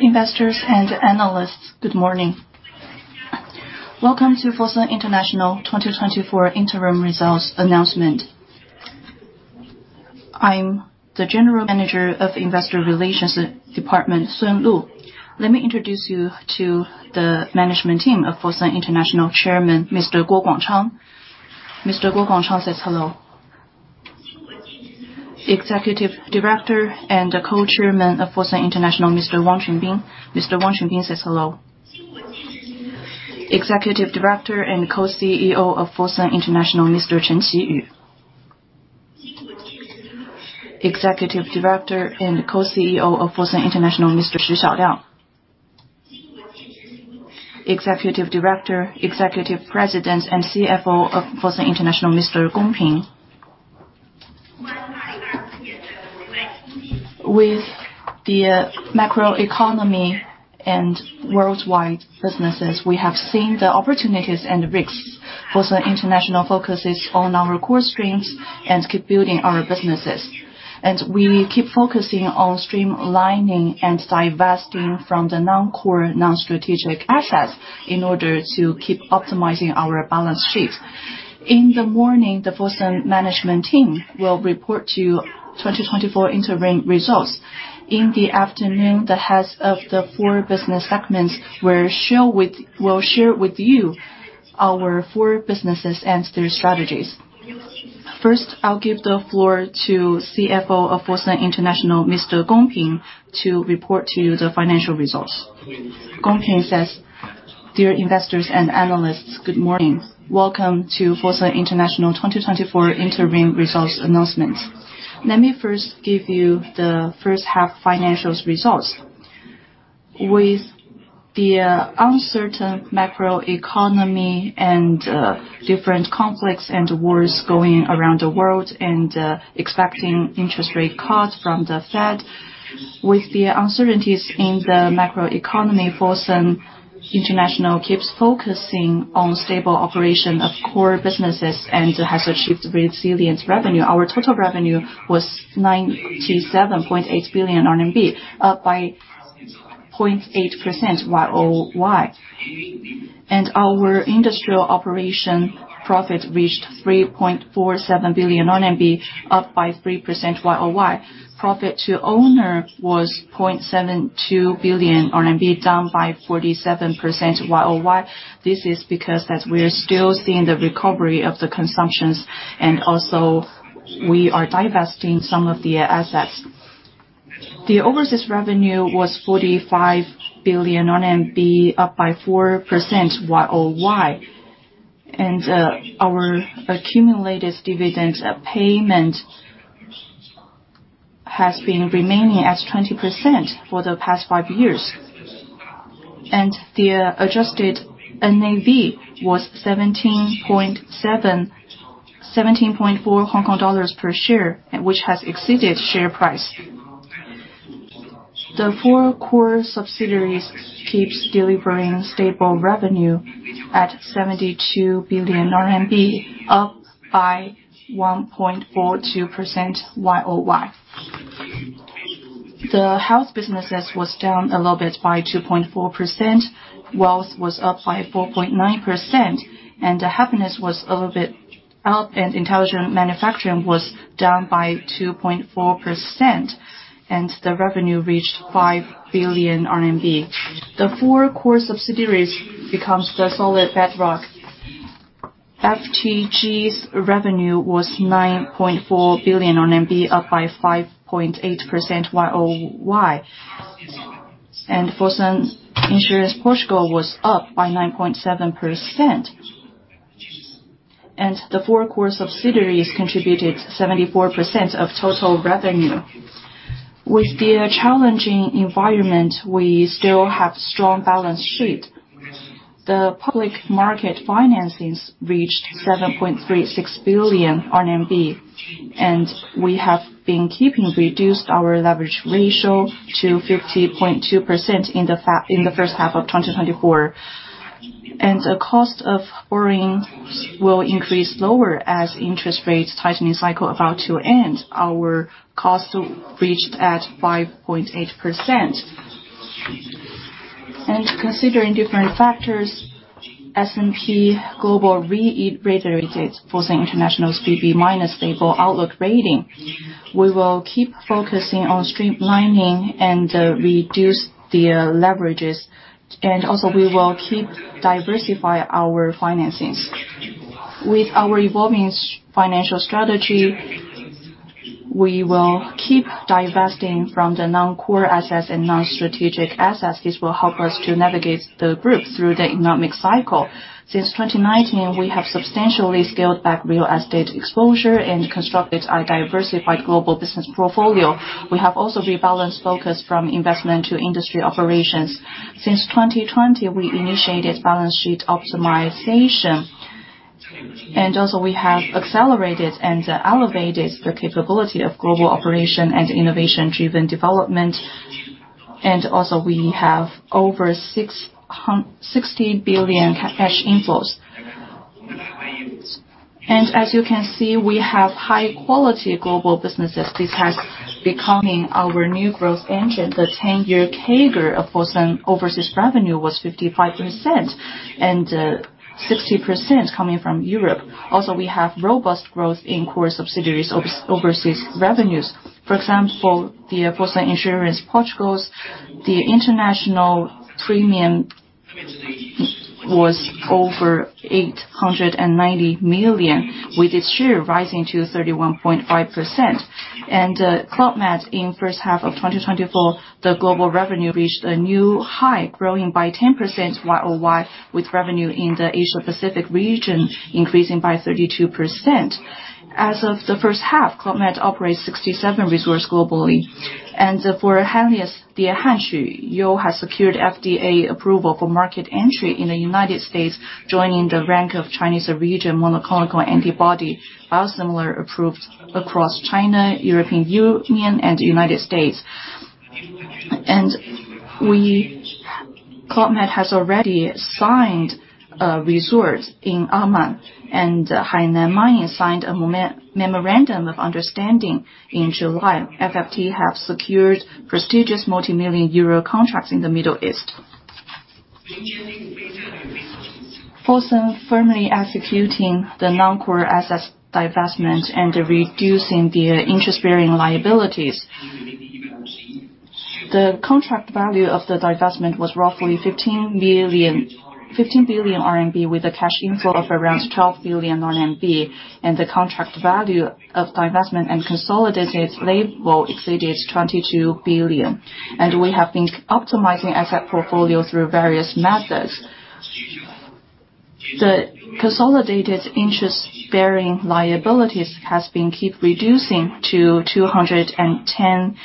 Dear investors and analysts, good morning. Welcome to Fosun International 2024 interim results announcement. I'm the General Manager of Investor Relations Department, Sun Lu. Let me introduce you to the management team of Fosun International, Chairman Mr. Guo Guangchang. Mr. Guo Guangchang says hello. Executive Director and Co-Chairman of Fosun International, Mr. Wang Qunbin. Mr. Wang Qunbin says hello. Executive Director and Co-CEO of Fosun International, Mr. Chen Qiyu. Executive Director and Co-CEO of Fosun International, Mr. Xu Xiaoliang. Executive Director, Executive President, and CFO of Fosun International, Mr. Gong Ping. With the macroeconomy and worldwide businesses, we have seen the opportunities and risks. Fosun International focuses on our core strengths and keep building our businesses, and we keep focusing on streamlining and divesting from the non-core, non-strategic assets in order to keep optimizing our balance sheet. In the morning, the Fosun management team will report to you 2024 interim results. In the afternoon, the heads of the four business segments will share with you our four businesses and their strategies. First, I'll give the floor to CFO of Fosun International, Mr. Gong Ping, to report to you the financial results. Gong Ping says, "Dear investors and analysts, good morning. Welcome to Fosun International 2024 interim results announcement. Let me first give you the first half financial results. With the uncertain macroeconomy and different conflicts and wars going around the world, and expecting interest rate cuts from the Fed, with the uncertainties in the macroeconomy, Fosun International keeps focusing on stable operation of core businesses and has achieved resilient revenue. Our total revenue was 97.8 billion RMB, up by 0.8% Y-O-Y. And our industrial operation profit reached 3.47 billion RMB, up by 3% Y-O-Y. Profit to owner was 0.72 billion RMB, down by 47% Y-O-Y. This is because as we are still seeing the recovery of the consumptions, and also we are divesting some of the assets. The overseas revenue was 45 billion RMB, up by 4% Y-O-Y, and, our accumulated dividends payment has been remaining at 20% for the past five years. And the adjusted NAV was 17.4 Hong Kong dollars per share, which has exceeded share price. The four core subsidiaries keeps delivering stable revenue at 72 billion RMB, up by 1.42% Y-O-Y. The house businesses was down a little bit by 2.4%. Wealth was up by 4.9%, and the Happiness was a little bit up, and Intelligent Manufacturing was down by 2.4%, and the revenue reached 5 billion RMB. The four core subsidiaries becomes the solid bedrock. FTG's revenue was 9.4 billion RMB, up by 5.8% Y-O-Y. Fosun Insurance Portugal was up by 9.7%. The four core subsidiaries contributed 74% of total revenue. With the challenging environment, we still have strong balance sheet. The public market financings reached 7.36 billion RMB, and we have been keeping reduced our leverage ratio to 50.2% in the first half of 2024. The cost of borrowing will increase lower as interest rates tightening cycle about to end. Our cost reached at 5.8%. Considering different factors, S&P Global reiterated Fosun International's BB minus stable outlook rating. We will keep focusing on streamlining and reduce the leverages, and also we will keep diversify our financings. With our evolving financial strategy, we will keep divesting from the non-core assets and non-strategic assets. This will help us to navigate the group through the economic cycle. Since 2019, we have substantially scaled back real estate exposure and constructed a diversified global business portfolio. We have also rebalanced focus from investment to industry operations. Since 2020, we initiated balance sheet optimization, and also we have accelerated and elevated the capability of global operation and innovation-driven development. And also, we have over 60 billion cash inflows. As you can see, we have high-quality global businesses. This has becoming our new growth engine. The ten-year CAGR of Fosun overseas revenue was 55%, and 60% coming from Europe. Also, we have robust growth in core subsidiaries overseas revenues. For example, the Fosun Insurance Portugal, the international premium was over 890 million, with its share rising to 31.5%. Club Med, in first half of 2024, the global revenue reached a new high, growing by 10% Y-o-Y, with revenue in the Asia Pacific region increasing by 32%. As of the first half, Club Med operates 67 resorts globally. And for Henlius, the HERCESSI, you have secured FDA approval for market entry in the United States, joining the rank of Chinese origin, monoclonal antibody, biosimilar approved across China, European Union and United States. Club Med has already signed a resort in Oman, and Hainan Mining signed a memorandum of understanding in July. FFT have secured prestigious multimillion euro contracts in the Middle East. Fosun firmly executing the non-core assets divestment and reducing the interest-bearing liabilities. The contract value of the divestment was roughly fifteen billion RMB, with a cash inflow of around twelve billion RMB, and the contract value of divestment and consolidated liabilities exceeded twenty-two billion. We have been optimizing asset portfolio through various methods. The consolidated interest-bearing liabilities has been keep reducing to 210 billion RMB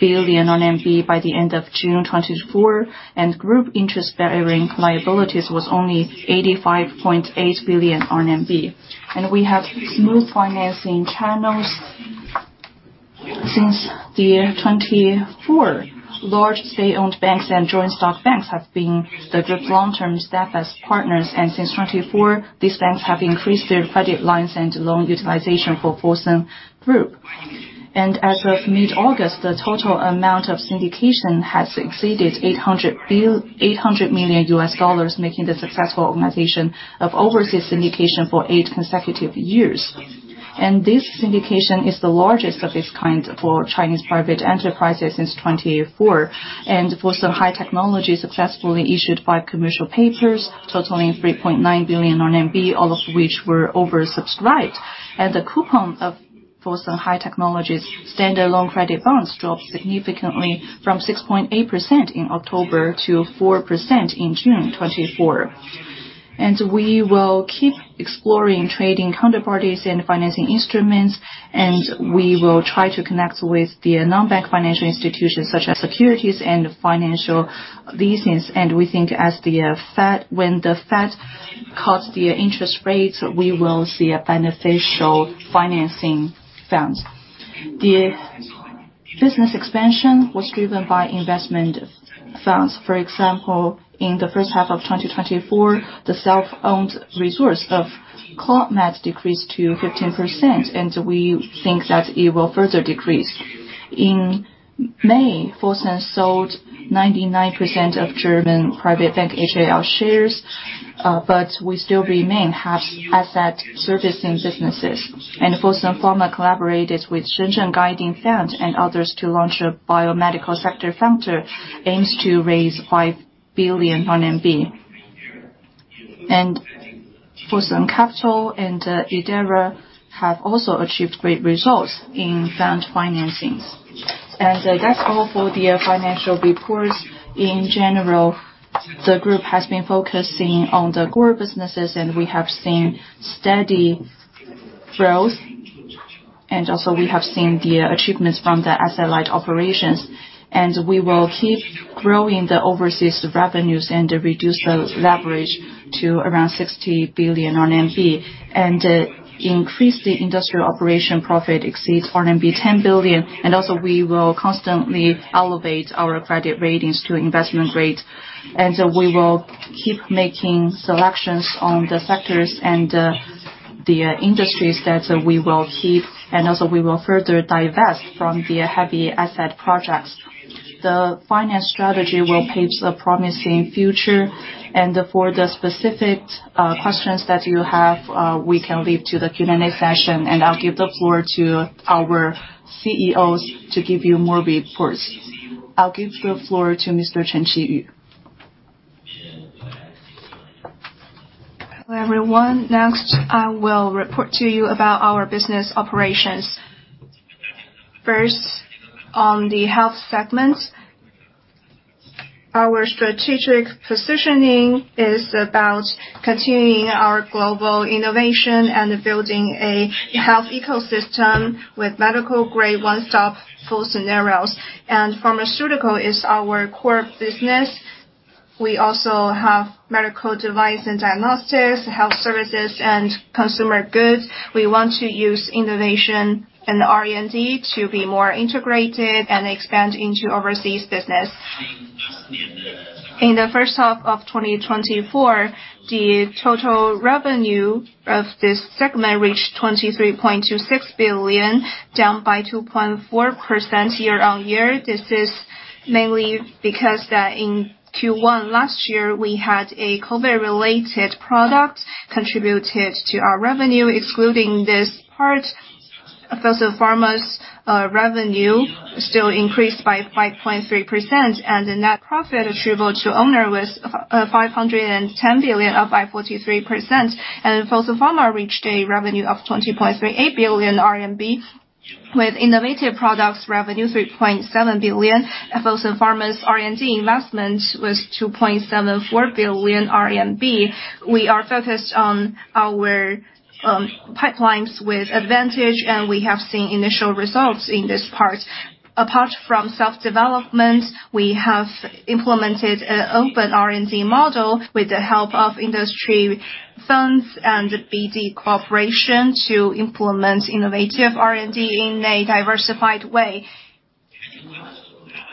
by the end of June 2024, and group interest-bearing liabilities was only 85.8 billion RMB. We have smooth financing channels. Since the year 2024, large state-owned banks and joint stock banks have been the group's long-term strategic partners, and since 2024, these banks have increased their credit lines and loan utilization for Fosun Group. As of mid-August, the total amount of syndication has exceeded $800 million, making the successful organization of overseas syndication for eight consecutive years. This syndication is the largest of its kind for Chinese private enterprises since 2024. Fosun High Technology successfully issued commercial papers, totaling 3.9 billion RMB, all of which were oversubscribed. The coupon of Fosun High Technology's standard loan credit bonds dropped significantly from 6.8% in October to 4% in June 2024. We will keep exploring trading counterparties and financing instruments, and we will try to connect with the non-bank financial institutions such as securities and financial leasing. We think when the Fed cuts the interest rates, we will see a beneficial financing funds. The business expansion was driven by investment funds. For example, in the first half of 2024, the self-owned resource of Club Med decreased to 15%, and we think that it will further decrease. In May, Fosun sold 99% of German private bank HAL shares, but we still remain have asset servicing businesses. Fosun Pharma collaborated with Shenzhen Guidance Fund and others to launch a biomedical sector fund, aims to raise 5 billion RMB. Fosun Capital and IDERA have also achieved great results in fund financings. That's all for the financial reports. In general, the group has been focusing on the core businesses, and we have seen steady growth, and also we have seen the achievements from the satellite operations. We will keep growing the overseas revenues and reduce the leverage to around 60 billion RMB, and increase the industrial operation profit exceeds RMB 10 billion, and also we will constantly elevate our credit ratings to investment grade. We will keep making selections on the sectors and the industries that we will keep, and also we will further divest from the heavy asset projects. The finance strategy will paint a promising future, and for the specific questions that you have, we can leave to the Q&A session, and I'll give the floor to our CEOs to give you more reports. I'll give the floor to Mr. Chen Qiyu. Hello, everyone. Next, I will report to you about our business operations. First, on the health segment, our strategic positioning is about continuing our global innovation and building a health ecosystem with medical grade, one-stop full scenarios, and pharmaceutical is our core business. We also have medical device and diagnostics, health services, and consumer goods. We want to use innovation and R&D to be more integrated and expand into overseas business. In the first half of 2024, the total revenue of this segment reached 23.26 billion, down 2.4% year on year. This is mainly because that in Q1 last year, we had a COVID-related product contributed to our revenue. Excluding this part, Fosun Pharma's revenue still increased by 5.3%, and the net profit attributable to owner was 510 billion, up 43%. Fosun Pharma reached a revenue of 20.38 billion RMB, with innovative products revenue 3.7 billion RMB. Fosun Pharma's R&D investment was 2.74 billion RMB. We are focused on our pipelines with advantage, and we have seen initial results in this part. Apart from self-development, we have implemented an open R&D model with the help of industry funds and BD cooperation to implement innovative R&D in a diversified way.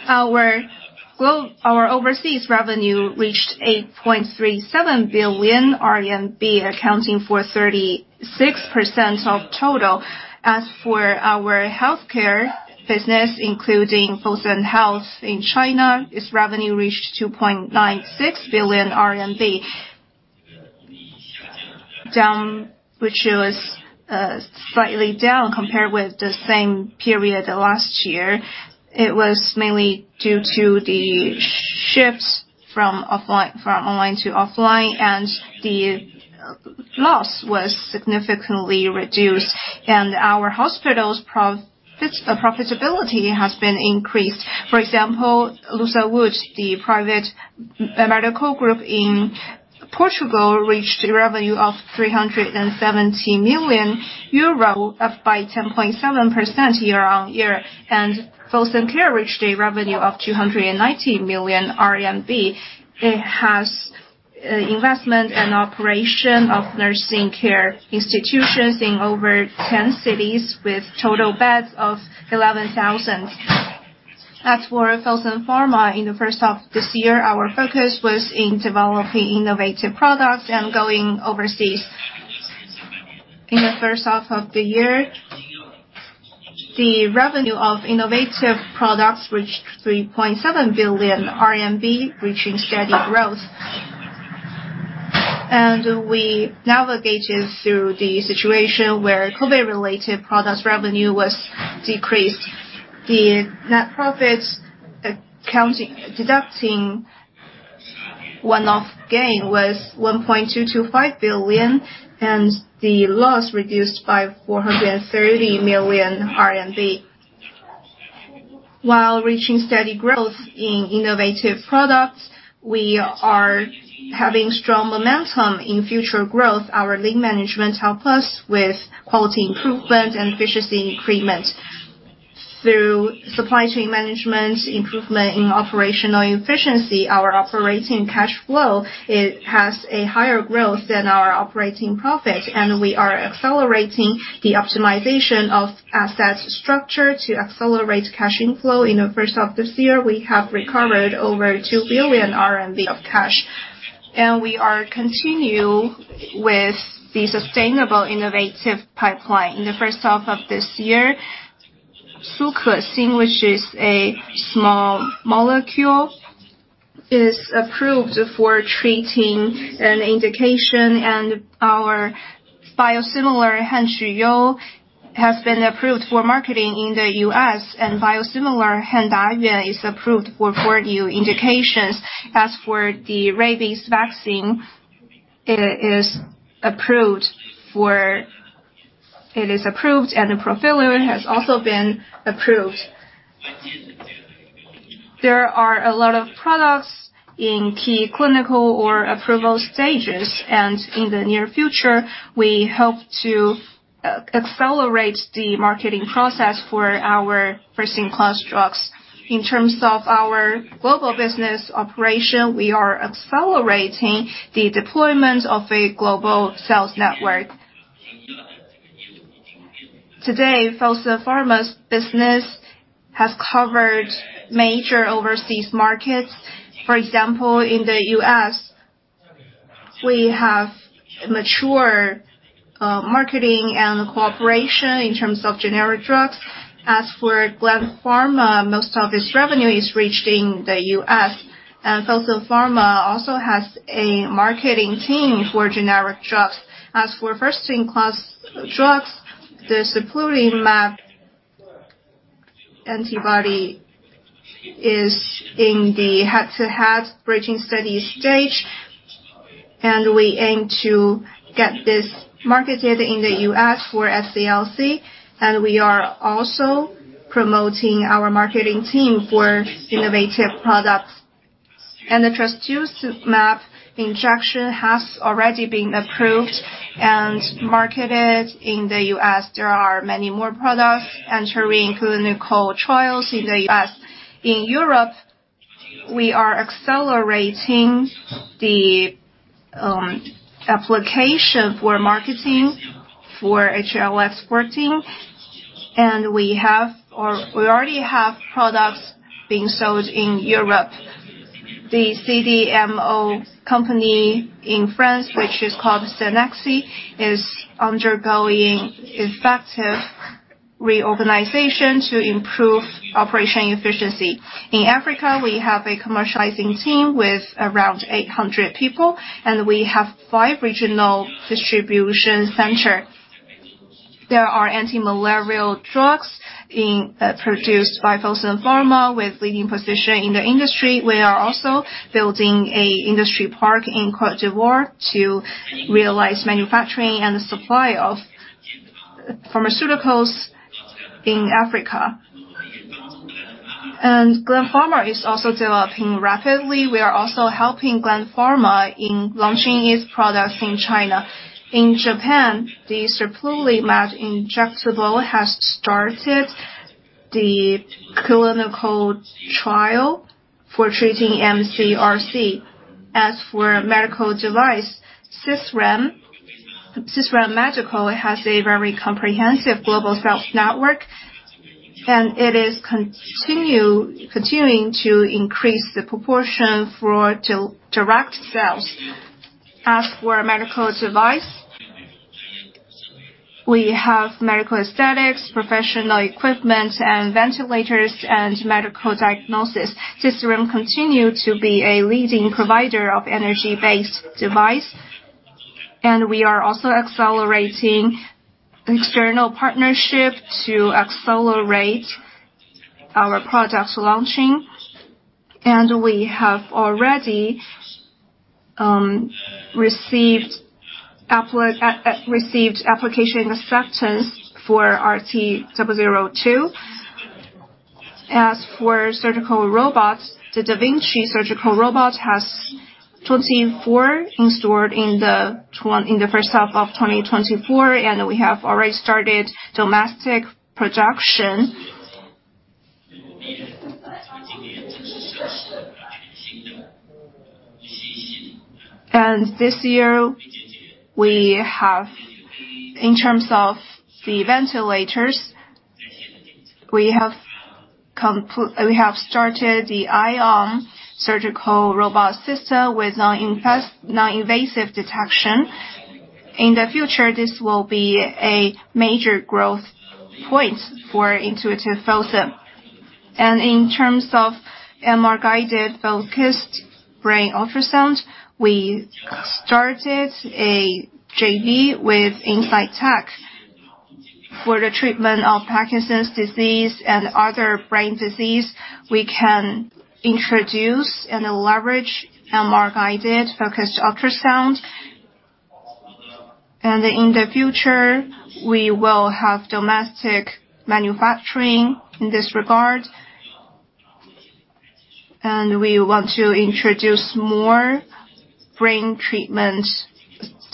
Our overseas revenue reached 8.37 billion RMB, accounting for 36% of total. As for our healthcare business, including Fosun Health in China, its revenue reached 2.96 billion RMB, which was slightly down compared with the same period last year. It was mainly due to the shifts from online to offline, and the loss was significantly reduced, and our hospital's profitability has been increased. For example, Luz Saúde, the private medical group in Portugal, reached a revenue of 370 million euro, up by 10.7% year on year, and Fosun Care reached a revenue of 290 million RMB. It has investment and operation of nursing care institutions in over 10 cities with total beds of 11,000. As for Fosun Pharma, in the first half of this year, our focus was in developing innovative products and going overseas. In the first half of the year, the revenue of innovative products reached 3.7 billion RMB, reaching steady growth, and we navigated through the situation where COVID-related products revenue was decreased. The net profits accounting deducting one-off gain was 1.225 billion, and the loss reduced by 430 million RMB. While reaching steady growth in innovative products, we are having strong momentum in future growth. Our lean management help us with quality improvement and efficiency improvements. Through supply chain management, improvement in operational efficiency, our operating cash flow, it has a higher growth than our operating profit, and we are accelerating the optimization of asset structure to accelerate cash inflow. In the first half of this year, we have recovered over 2 billion RMB of cash, and we are continue with the sustainable innovative pipeline. In the first half of this year, Su Kexin, which is a small molecule, is approved for treating an indication, and our biosimilar, Hanquyou, has been approved for marketing in the U.S., and biosimilar Handayuan is approved for four new indications. As for the rabies vaccine, it is approved, and the prophylactic has also been approved. There are a lot of products in key clinical or approval stages, and in the near future, we hope to accelerate the marketing process for our first-in-class drugs. In terms of our global business operation, we are accelerating the deployment of a global sales network. Today, Fosun Pharma's business has covered major overseas markets. For example, in the U.S., we have mature marketing and cooperation in terms of generic drugs. As for Gland Pharma, most of its revenue is reached in the U.S., and Fosun Pharma also has a marketing team for generic drugs. As for first-in-class drugs, the serplulimab antibody is in the head-to-head bridging study stage, and we aim to get this marketed in the U.S. for SCLC, and we are also promoting our marketing team for innovative products. The trastuzumab injection has already been approved and marketed in the U.S. There are many more products entering clinical trials in the U.S. In Europe, we are accelerating the application for marketing for HLX14. We already have products being sold in Europe. The CDMO company in France, which is called Cenexi, is undergoing effective reorganization to improve operation efficiency. In Africa, we have a commercializing team with around 800 people, and we have 5 regional distribution centers. There are anti-malarial drugs being produced by Fosun Pharma, with leading position in the industry. We are also building an industry park in Cote d'Ivoire to realize manufacturing and supply of pharmaceuticals in Africa. Gland Pharma is also developing rapidly. We are also helping Gland Pharma in launching its products in China. In Japan, the serplulimab injectable has started the clinical trial for treating mCRC. As for medical device, Sisram, Sisram Medical has a very comprehensive global sales network, and it is continuing to increase the proportion for direct sales. As for medical device, we have medical aesthetics, professional equipment, and ventilators, and medical diagnosis. Sisram continues to be a leading provider of energy-based device, and we are also accelerating external partnership to accelerate our product launching. We have already received application acceptance for RT002. As for surgical robots, the Da Vinci surgical robot has 24 installed in the first half of 2024, and we have already started domestic production. And this year, we have, in terms of the ventilators, we have started the Ion surgical robot system with non-invasive detection. In the future, this will be a major growth point for Intuitive Fosun. And in terms of MR-guided focused brain ultrasound, we started a JV with Insightec. For the treatment of Parkinson's disease and other brain disease, we can introduce and leverage MR-guided focused ultrasound. And in the future, we will have domestic manufacturing in this regard. And we want to introduce more brain treatment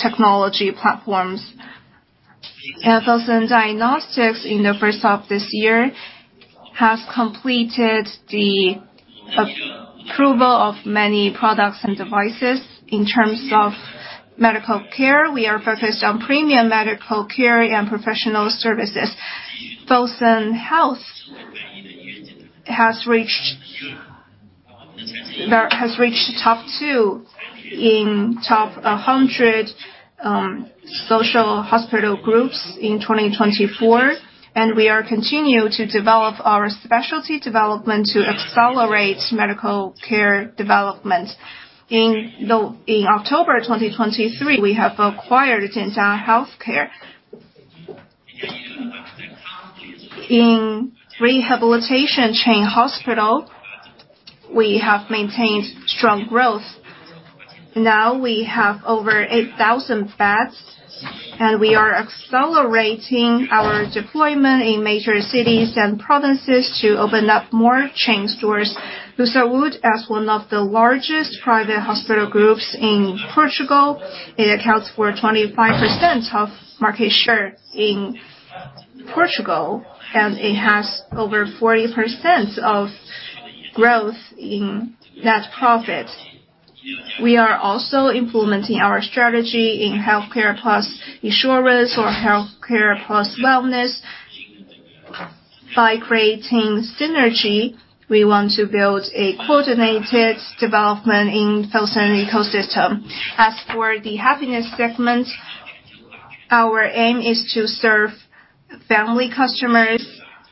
technology platforms. And Fosun Diagnostics, in the first half of this year, has completed the approval of many products and devices. In terms of medical care, we are focused on premium medical care and professional services. Fosun Health has reached top two in top 100 social hospital groups in 2024, and we are continue to develop our specialty development to accelerate medical care development. In October 2023, we have acquired Jianjia Healthcare. In rehabilitation chain hospital, we have maintained strong growth. Now, we have over 8,000 beds, and we are accelerating our deployment in major cities and provinces to open up more chain stores. Luz Saúde, as one of the largest private hospital groups in Portugal, it accounts for 25% of market share in Portugal, and it has over 40% of growth in net profit. We are also implementing our strategy in healthcare plus insurance or healthcare plus wellness. By creating synergy, we want to build a coordinated development in Fosun ecosystem. As for the happiness segment, our aim is to serve family customers,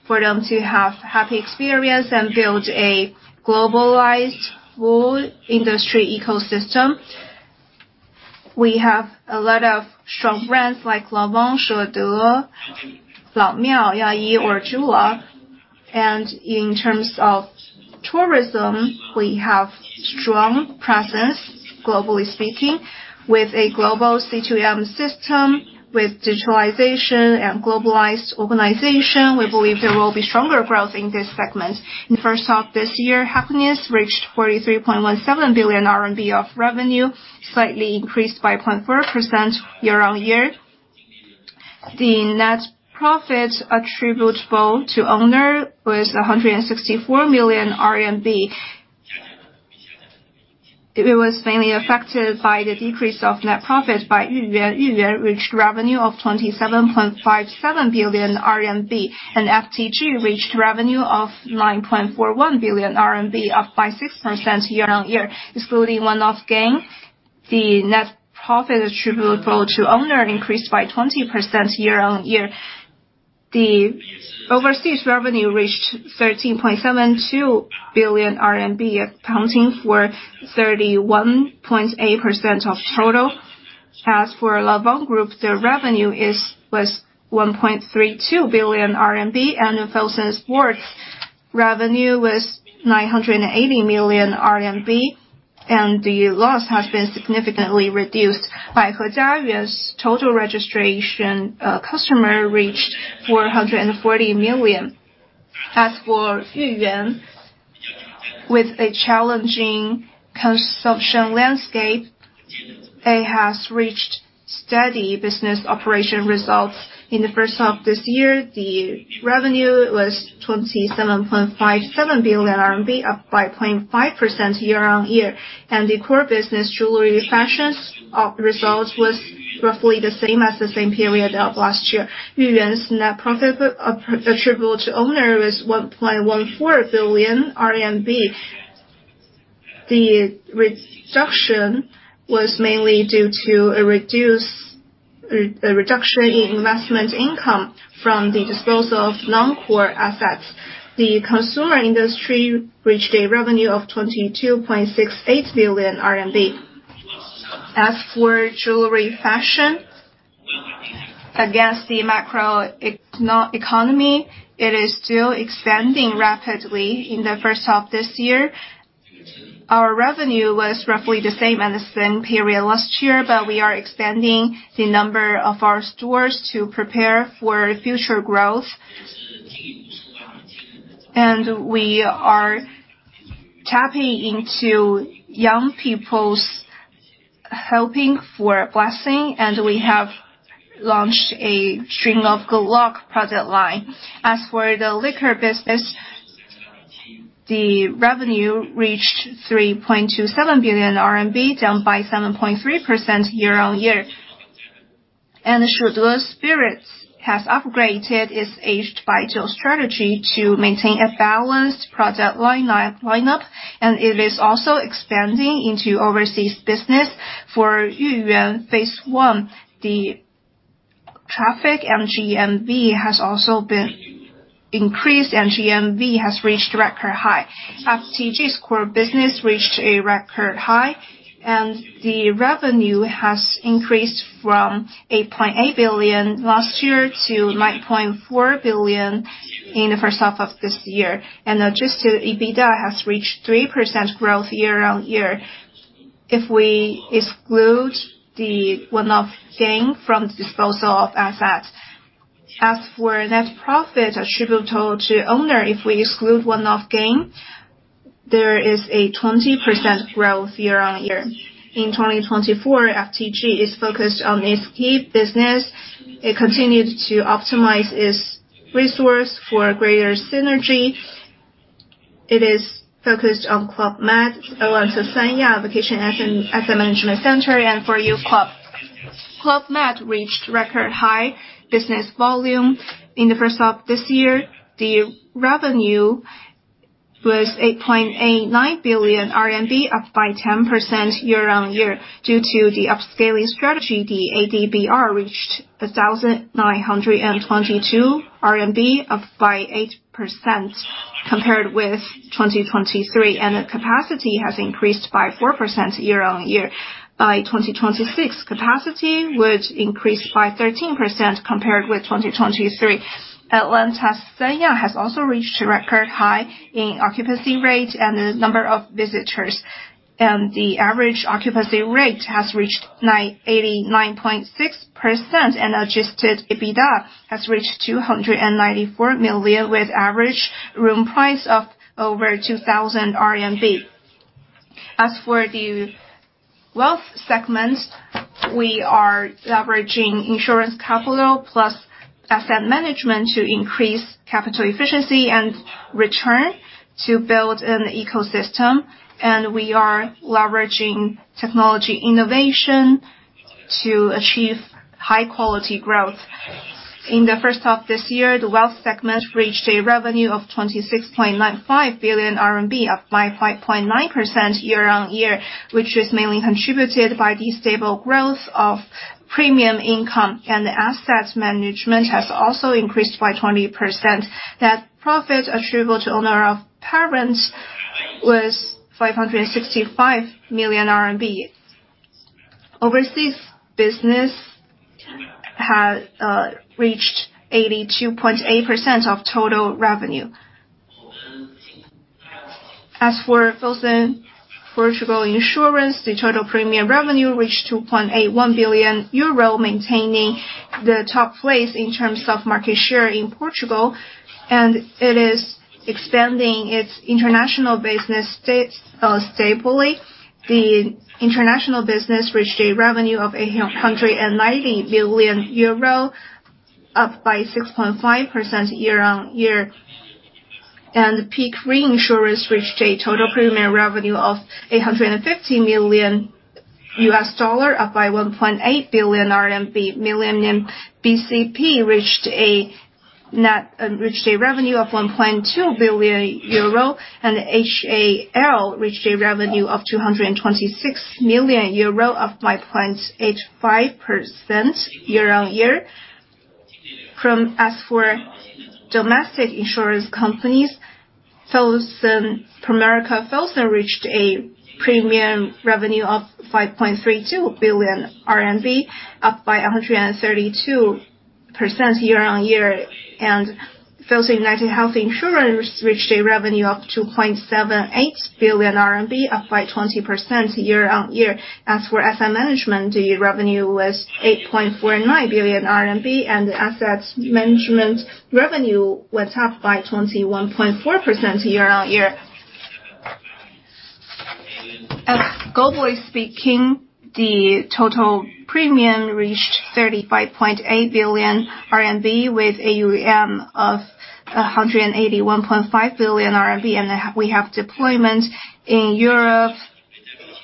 for them to have happy experience and build a globalized food industry ecosystem. We have a lot of strong brands like Lanvin, Shede, Lao Miao, Yayi, or DJULA. And in terms of tourism, we have strong presence, globally speaking, with a global C2M system, with digitalization and globalized organization. We believe there will be stronger growth in this segment. In the first half of this year, Happiness reached 43.17 billion RMB of revenue, slightly increased by 0.4% year-on-year. The net profit attributable to owner was 164 million RMB. It was mainly affected by the decrease of net profit by Yuyuan. Yuyuan reached revenue of 27.57 billion RMB, and FTG reached revenue of 9.41 billion RMB, up by 6% year-on-year. Excluding one-off gain, the net profit attributable to owner increased by 20% year-on-year. The overseas revenue reached 13.72 billion RMB, accounting for 31.8% of total. As for Lanvin Group, their revenue was 1.32 billion RMB, and Fosun Sports revenue was 980 million RMB, and the loss has been significantly reduced. Baihe Jiayuan, total registration, customer reached 440 million. As for Yuyuan, with a challenging consumption landscape, it has reached steady business operation results. In the first half of this year, the revenue was 27.57 billion RMB, up by 0.5% year-on-year, and the core business, jewelry fashion's results, was roughly the same as the same period last year. Yuyuan's net profit attributable to owner was 1.14 billion RMB. The reduction was mainly due to a reduction in investment income from the disposal of non-core assets. The consumer industry reached a revenue of 22.68 billion RMB. As for jewelry fashion, against the macro economy, it is still expanding rapidly in the first half of this year. Our revenue was roughly the same as the same period last year, but we are expanding the number of our stores to prepare for future growth. We are tapping into young people's hoping for a blessing, and we have launched a string of good luck product line. As for the liquor business, the revenue reached 3.27 billion RMB, down 7.3% year-on-year. Shede Spirits has upgraded its aged baijiu strategy to maintain a balanced product lineup, and it is also expanding into overseas business. For Yuyuan, phase one, the traffic GMV has also been increased. GMV has reached record high. FTG's core business reached a record high, and the revenue has increased from 8.8 billion last year to 9.4 billion in the first half of this year. Adjusted EBITDA has reached 3% growth year-on-year. If we exclude the one-off gain from the disposal of assets. As for net profit attributable to owner, if we exclude one-off gain, there is a 20% growth year-on-year. In 2024, FTG is focused on its key business. It continues to optimize its resource for greater synergy. It is focused on Club Med, Atlantis Sanya, Vacation Asset, Asset Management Center, and Club Med. Club Med reached record high business volume. In the first half of this year, the revenue was 8.89 billion RMB, up by 10% year-on-year. Due to the upscaling strategy, the ADR reached 1,922 RMB, up by 8% compared with 2023, and the capacity has increased by 4% year-on-year. By 2026, capacity would increase by 13% compared with 2023. Atlantis Sanya has also reached a record high in occupancy rate and the number of visitors, and the average occupancy rate has reached 98.6%, and adjusted EBITDA has reached 294 million, with average room price of over 2,000 RMB. As for the wealth segment, we are leveraging insurance capital plus asset management to increase capital efficiency and return to build an ecosystem, and we are leveraging technology innovation to achieve high-quality growth. In the first half of this year, the wealth segment reached a revenue of 26.95 billion RMB, up by 5.9% year-on-year, which is mainly contributed by the stable growth of premium income, and the asset management has also increased by 20%. Net profit attributable to owners of the parent was 565 million RMB. Overseas business has reached 82.8% of total revenue. As for Fosun Insurance Portugal, the total premium revenue reached 2.81 billion euro, maintaining the top place in terms of market share in Portugal, and it is expanding its international business stably. The international business reached a revenue of 190 million euro, up by 6.5% year-on-year. The Peak Reinsurance reached a total premium revenue of $850 million, up by 1.8 billion. Millennium bcp reached a revenue of 1.2 billion euro, and HAL reached a revenue of 226 million euro, up by 0.85% year-on-year. As for domestic insurance companies, Pramerica Fosun Life Insurance reached a premium revenue of 5.32 billion RMB, up by 132% year-on-year. Fosun United Health Insurance reached a revenue of 2.78 billion RMB, up by 20% year-on-year. As for asset management, the revenue was 8.49 billion RMB, and the asset management revenue was up by 21.4% year-on-year. Globally speaking, the total premium reached 35.8 billion RMB, with AUM of 181.5 billion RMB, and then we have deployment in Europe,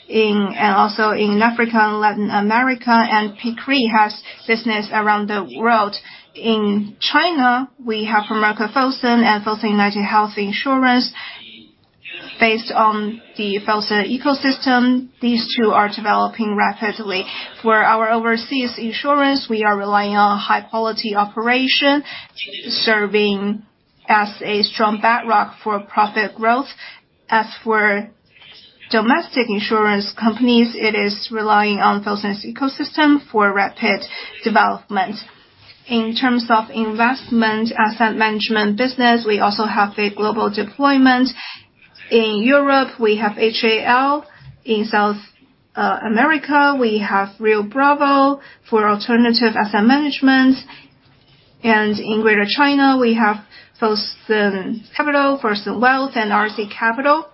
and also in Africa and Latin America, and Peak Re has business around the world. In China, we have Pramerica Fosun and Fosun United Health Insurance. Based on the Fosun ecosystem, these two are developing rapidly. For our overseas insurance, we are relying on high-quality operation, serving as a strong bedrock for profit growth. As for domestic insurance companies, it is relying on Fosun's ecosystem for rapid development. In terms of investment, asset management business, we also have a global deployment. In Europe, we have HAL. In South America, we have Rio Bravo for alternative asset management. And in Greater China, we have Fosun Capital, Fosun Wealth, and RC Capital.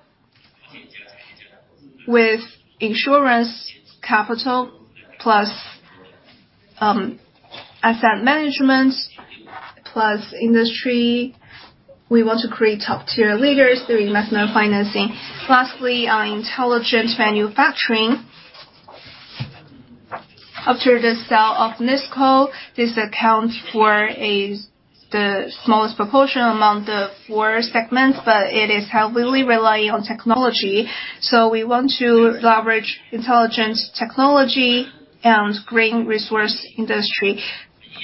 With insurance capital plus asset management, plus industry, we want to create top-tier leaders through investment financing. Lastly, our intelligent manufacturing. After the sale of NISCO, this accounts for the smallest proportion among the four segments, but it is heavily relying on technology. So we want to leverage intelligence, technology, and green resource industry.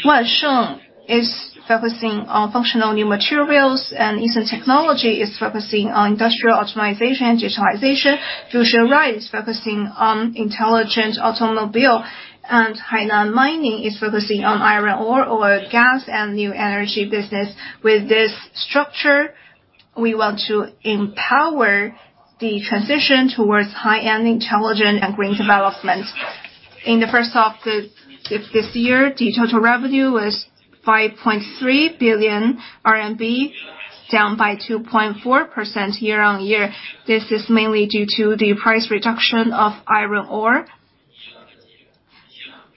Wansheng is focusing on functional new materials, and Easun Technology is focusing on industrial optimization, digitalization. Future Ride is focusing on intelligent automobile, and Hainan Mining is focusing on iron ore, oil, gas, and new energy business. With this structure, we want to empower the transition towards high-end, intelligent, and green development. In the first half of this, this year, the total revenue was 5.3 billion RMB, down by 2.4% year-on-year. This is mainly due to the price reduction of iron ore.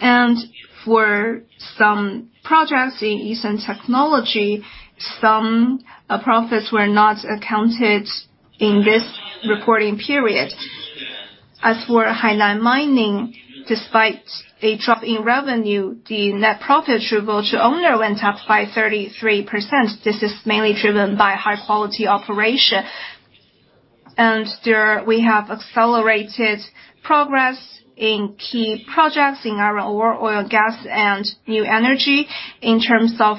And for some projects in Easun Technology, some profits were not accounted in this reporting period. As for Hainan Mining, despite a drop in revenue, the net profit attributable to owner went up by 33%. This is mainly driven by high-quality operation. And there, we have accelerated progress in key projects in iron ore, oil, gas, and new energy. In terms of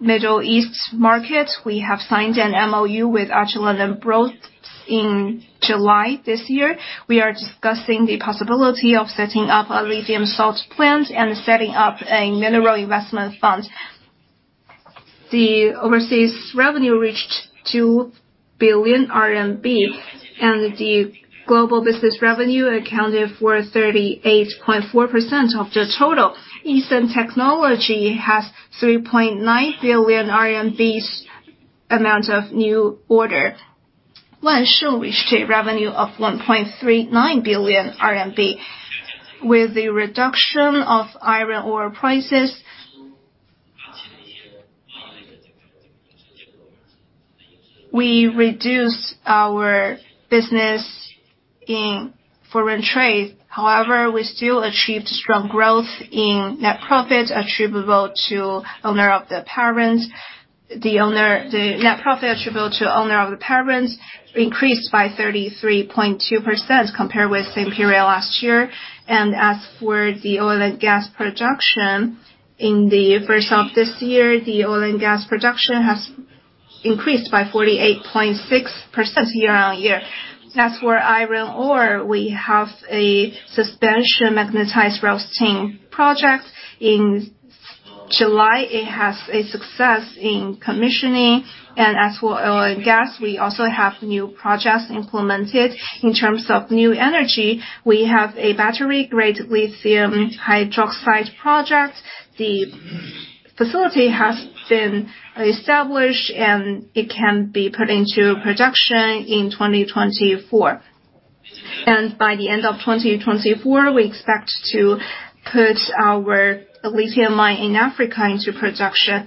Middle East market, we have signed an MOU with Ajlan & Bros in July this year. We are discussing the possibility of setting up a lithium salt plant and setting up a mineral investment fund. The overseas revenue reached 2 billion RMB, and the global business revenue accounted for 38.4% of the total. Easun Technology has 3.9 billion RMB amount of new order. Wansheng reached a revenue of 1.39 billion RMB. With the reduction of iron ore prices, we reduced our business in foreign trade. However, we still achieved strong growth in net profit attributable to owner of the parent. The net profit attributable to owner of the parent increased by 33.2% compared with same period last year. And as for the oil and gas production, in the first half of this year, the oil and gas production has increased by 48.6% year-on-year. As for iron ore, we have a suspension magnetized roasting project. In July, it has a success in commissioning, and as for oil and gas, we also have new projects implemented. In terms of new energy, we have a battery-grade lithium hydroxide project. The facility has been established, and it can be put into production in 2024. And by the end of 2024, we expect to put our lithium mine in Africa into production.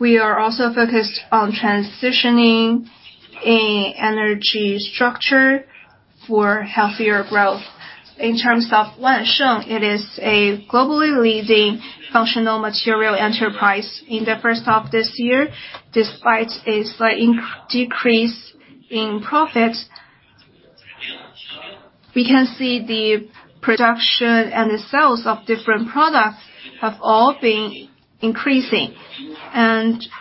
We are also focused on transitioning a energy structure for healthier growth. In terms of Wansheng, it is a globally leading functional material enterprise. In the first half of this year, despite a slight decrease in profit, we can see the production and the sales of different products have all been increasing.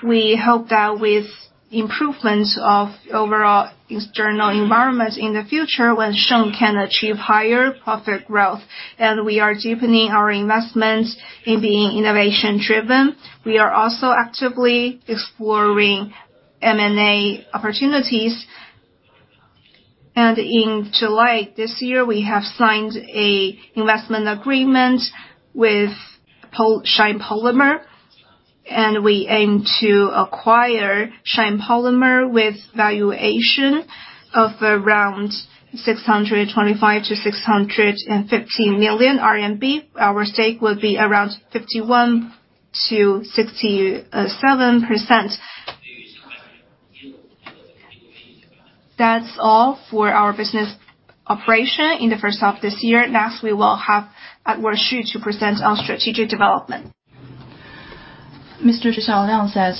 We hope that with improvement of overall external environment in the future, Wansheng can achieve higher profit growth. We are deepening our investment in being innovation-driven. We are also actively exploring M&A opportunities. In July this year, we have signed a investment agreement with Shine Polymer, and we aim to acquire Shine Polymer with valuation of around 625-650 million RMB. Our stake will be around 51-67%. That's all for our business operation in the first half of this year. Next, we will have Dr. Xu to present on strategic development. Mr. Xu Xiaoliang says,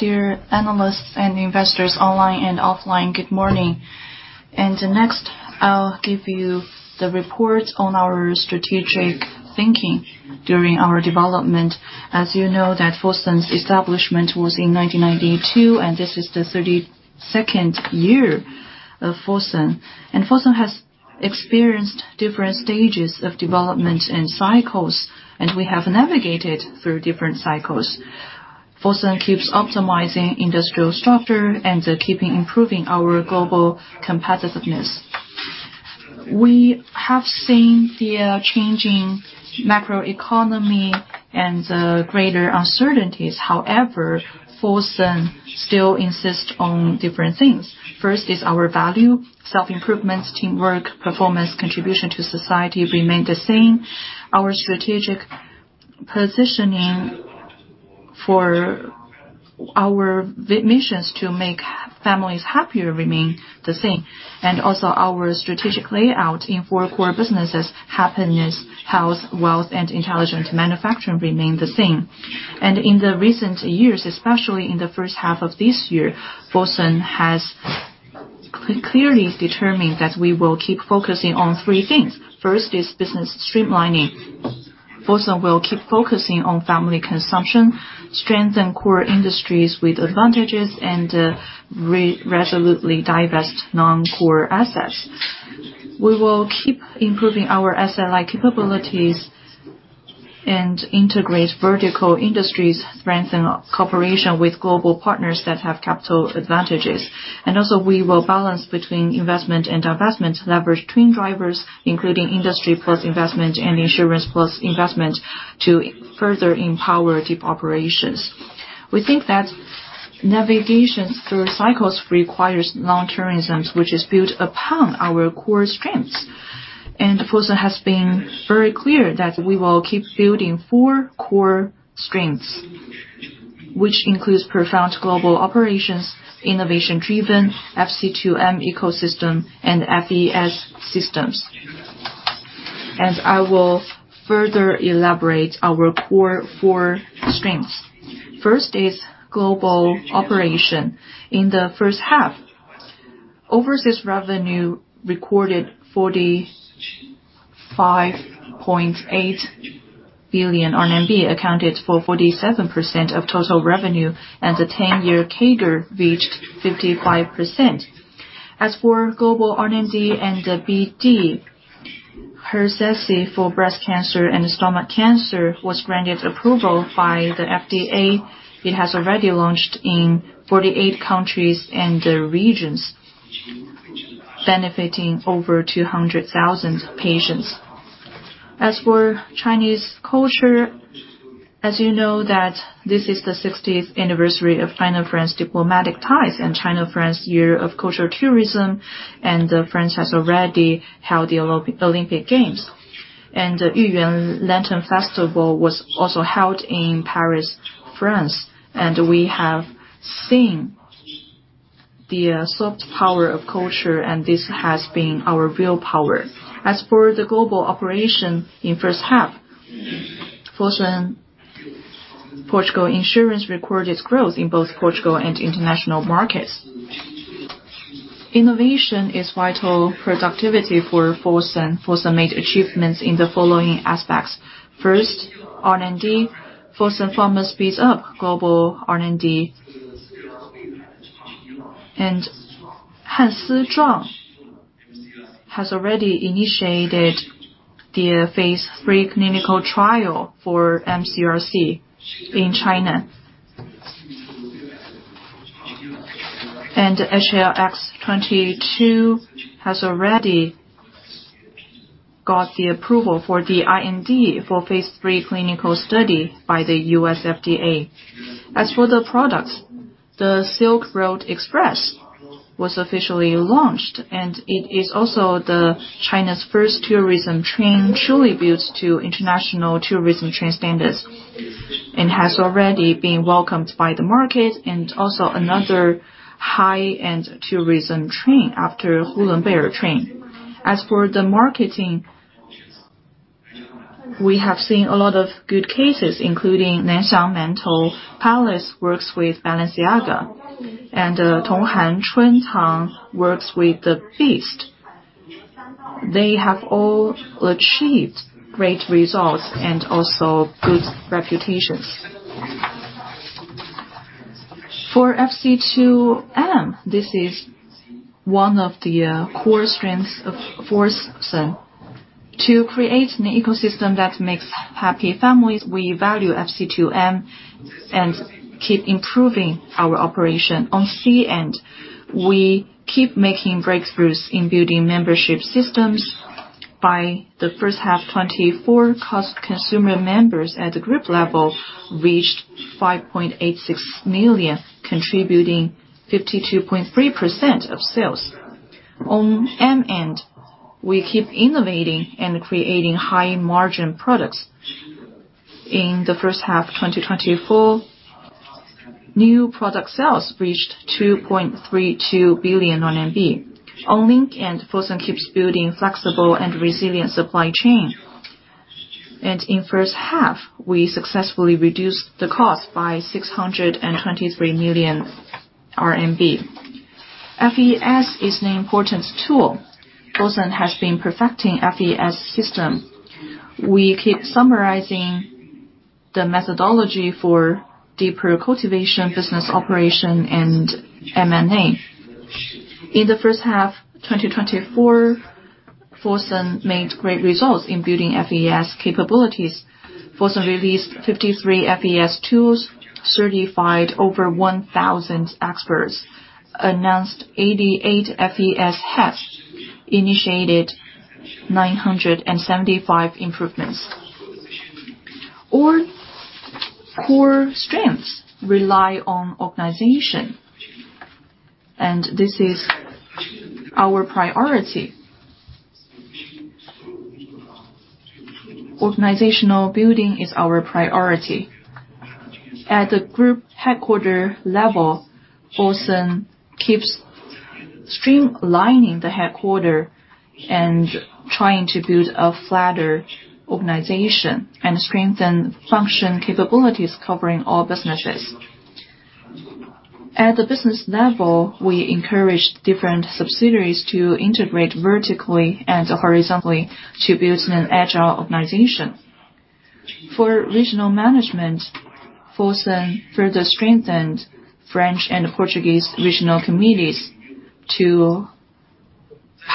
"Dear analysts and investors online and offline, good morning." And next, I'll give you the report on our strategic thinking during our development. As you know, that Fosun's establishment was in nineteen ninety-two, and this is the thirty-second year of Fosun. And Fosun has experienced different stages of development and cycles, and we have navigated through different cycles. Fosun keeps optimizing industrial structure and, keeping improving our global competitiveness. We have seen the changing macroeconomy and the greater uncertainties. However, Fosun still insists on different things. First is our value. Self-improvements, teamwork, performance, contribution to society remain the same. Our strategic positioning for our missions to make families happier remain the same, and also our strategic layout in four core businesses, happiness, health, wealth, and intelligent manufacturing, remain the same. In the recent years, especially in the first half of this year, Fosun has clearly determined that we will keep focusing on three things. First is business streamlining. Fosun will keep focusing on family consumption, strengthen core industries with advantages, and resolutely divest non-core assets. We will keep improving our asset-light capabilities and integrate vertical industries, strengthen cooperation with global partners that have capital advantages. Also, we will balance between investment and divestment, leverage twin drivers, including industry plus investment and insurance plus investment, to further empower deep operations. We think that navigation through cycles requires long-termism, which is built upon our core strengths. Fosun has been very clear that we will keep building four core strengths, which includes profound global operations, innovation-driven, FC2M ecosystem, and FES systems. I will further elaborate our core four strengths. First is global operation. In the first half, overseas revenue recorded 45.8 billion RMB, accounted for 47% of total revenue, and the ten-year CAGR reached 55%. As for global R&D and BD, HERCESSI for breast cancer and stomach cancer was granted approval by the FDA. It has already launched in 48 countries and the regions, benefiting over 200,000 patients. As for Chinese culture, as you know that this is the sixtieth anniversary of China-France diplomatic ties and China-France year of cultural tourism, and France has already held the Olympic Games, and Yuyuan Lantern Festival was also held in Paris, France, and we have seen the soft power of culture, and this has been our real power. As for the global operation in first half, Fosun Portugal Insurance recorded growth in both Portugal and international markets. Innovation is vital productivity for Fosun. Fosun made achievements in the following aspects. First, R&D. Fosun Pharma speeds up global R&D, and Hansizhuang has already initiated the phase three clinical trial for MCRC in China. HLX22 has already got the approval for the IND for phase three clinical study by the U.S. FDA. As for the products, the Silk Road Express was officially launched, and it is also China's first tourism train, truly built to international tourism train standards, and has already been welcomed by the market, and also another high-end tourism train after Hulunbuir Train. As for the marketing, we have seen a lot of good cases, including Nanxiang Steamed Bun Restaurant works with Balenciaga, and Tonghan Chuntang works with The Beast. They have all achieved great results and also good reputations. For FC2M, this is one of the core strengths of Fosun. To create an ecosystem that makes happy families, we value FC2M and keep improving our operation. On C end, we keep making breakthroughs in building membership systems. By the first half of 2024, our consumer members at the group level reached 5.86 million, contributing 52.3% of sales. On M end, we keep innovating and creating high-margin products. In the first half of 2024, new product sales reached 2.32 billion RMB. On link end, Fosun keeps building flexible and resilient supply chain. In the first half, we successfully reduced the cost by 623 million RMB. FES is an important tool. Fosun has been perfecting FES system. We keep summarizing the methodology for deeper cultivation, business operation, and M&A. In the first half of 2024, Fosun made great results in building FES capabilities. Fosun released fifty-three FES tools, certified over one thousand experts, announced eighty-eight FES hatch, initiated nine hundred and seventy-five improvements. All core strengths rely on organization, and this is our priority. Organizational building is our priority. At the group headquarters level, Fosun keeps streamlining the headquarters and trying to build a flatter organization and strengthen function capabilities covering all businesses. At the business level, we encourage different subsidiaries to integrate vertically and horizontally to build an agile organization. For regional management, Fosun further strengthened French and Portuguese regional committees to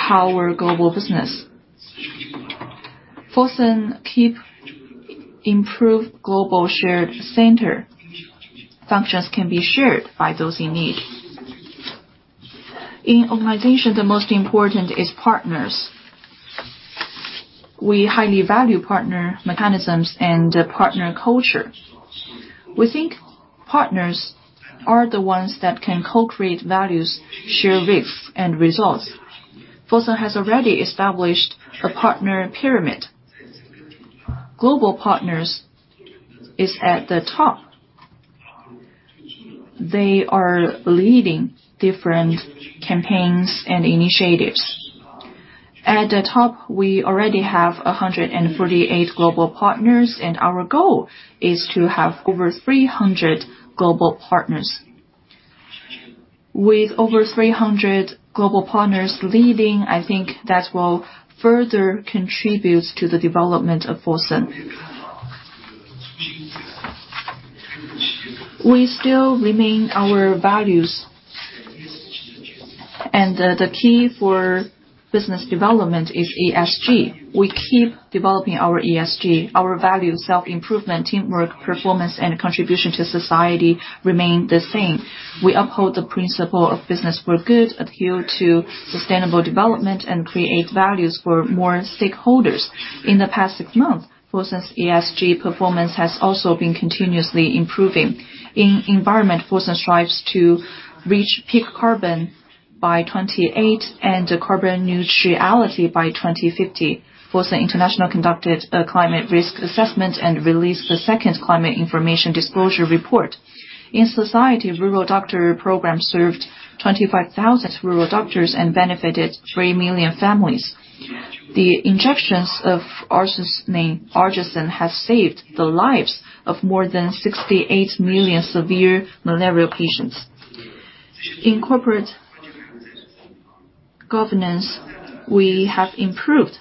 power global business. Fosun keep improve global shared center. Functions can be shared by those in need. In organization, the most important is partners. We highly value partner mechanisms and partner culture. We think partners are the ones that can co-create values, share risks and results. Fosun has already established a partner pyramid. Global partners is at the top. They are leading different campaigns and initiatives. At the top, we already have 148 global partners, and our goal is to have over 300 global partners. With over 300 global partners leading, I think that will further contribute to the development of Fosun. We still remain our values, and the key for business development is ESG. We keep developing our ESG. Our values, self-improvement, teamwork, performance, and contribution to society remain the same. We uphold the principle of business for good, adhere to sustainable development, and create values for more stakeholders. In the past six months, Fosun's ESG performance has also been continuously improving. In environment, Fosun strives to reach peak carbon by 2028 and carbon neutrality by 2050. Fosun International conducted a climate risk assessment and released the second climate information disclosure report. In society, Rural Doctor Program served twenty-five thousand rural doctors and benefited three million families. The injections of artesunate has saved the lives of more than sixty-eight million severe malaria patients. In corporate governance, we have improved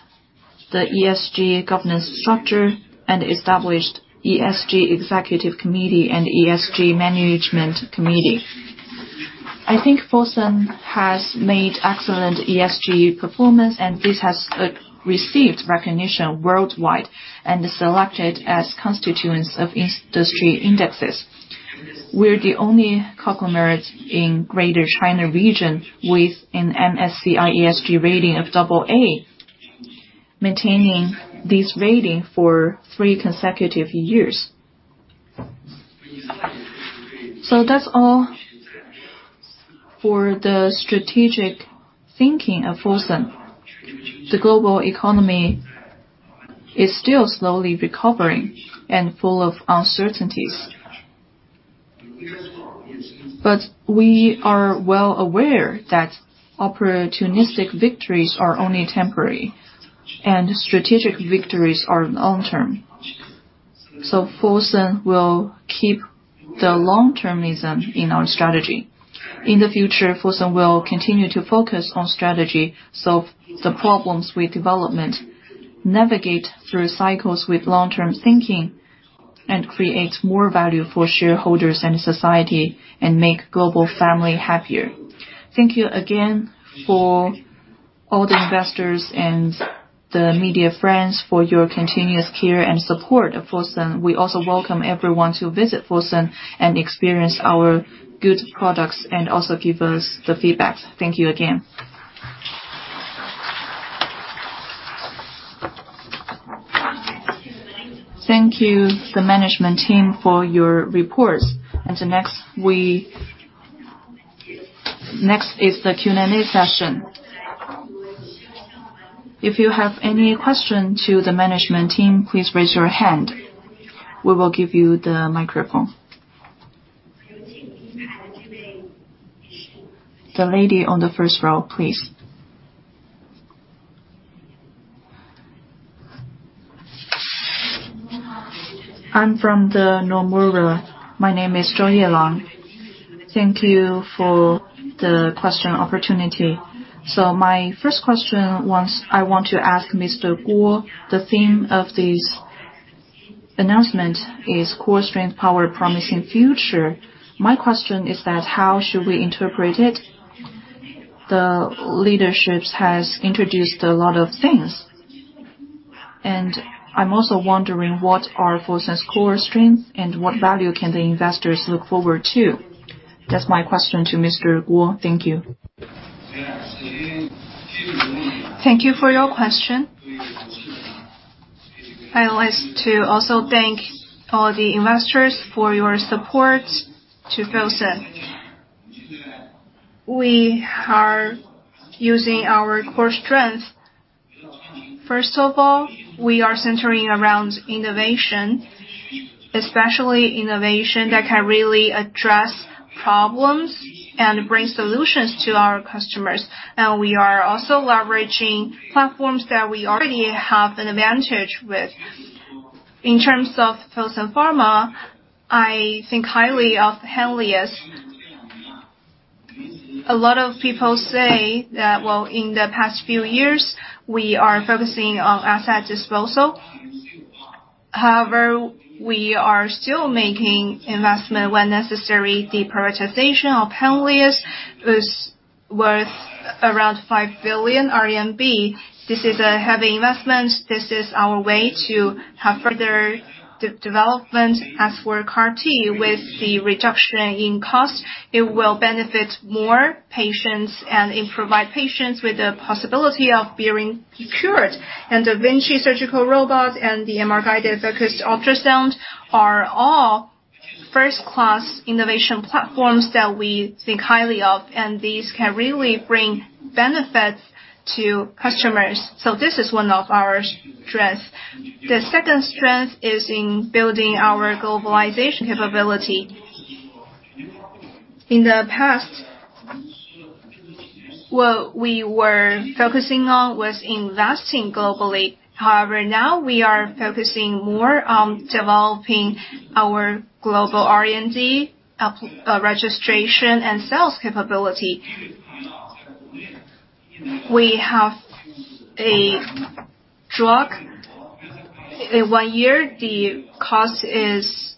the ESG governance structure and established ESG Executive Committee and ESG Management Committee. I think Fosun has made excellent ESG performance, and this has received recognition worldwide and is selected as constituents of industry indexes. ... We're the only conglomerate in Greater China region with an MSCI ESG rating of double A, maintaining this rating for three consecutive years. So that's all for the strategic thinking of Fosun. The global economy is still slowly recovering and full of uncertainties. But we are well aware that opportunistic victories are only temporary, and strategic victories are long-term. So Fosun will keep the long-termism in our strategy. In the future, Fosun will continue to focus on strategy, solve the problems with development, navigate through cycles with long-term thinking, and create more value for shareholders and society, and make global family happier. Thank you again for all the investors and the media friends for your continuous care and support of Fosun. We also welcome everyone to visit Fosun and experience our good products, and also give us the feedback. Thank you again. Thank you, the management team, for your reports. The next is the Q&A session. If you have any question to the management team, please raise your hand. We will give you the microphone. The lady on the first row, please. I'm from Nomura. My name is Joy Zhang. Thank you for the question opportunity. So my first question was, I want to ask Mr. Guo, the theme of this announcement is core strength, power, promising future. My question is that, how should we interpret it? The leadership has introduced a lot of things, and I'm also wondering, what are Fosun's core strengths, and what value can the investors look forward to? That's my question to Mr. Guo. Thank you. Thank you for your question. I would like to also thank all the investors for your support to Fosun. We are using our core strengths. First of all, we are centering around innovation, especially innovation that can really address problems and bring solutions to our customers, and we are also leveraging platforms that we already have an advantage with. In terms of Fosun Pharma, I think highly of Henlius. A lot of people say that, well, in the past few years, we are focusing on asset disposal. However, we are still making investment when necessary. The privatization of Henlius was worth around 5 billion RMB. This is a heavy investment. This is our way to have further development. As for CAR T, with the reduction in cost, it will benefit more patients and it provide patients with the possibility of being cured. The da Vinci surgical robot and the MR-guided focused ultrasound are all first-class innovation platforms that we think highly of, and these can really bring benefits to customers. This is one of our strengths. The second strength is in building our globalization capability. In the past, what we were focusing on was investing globally. However, now we are focusing more on developing our global R&D, application, registration, and sales capability. We have a drug; in one year, the cost is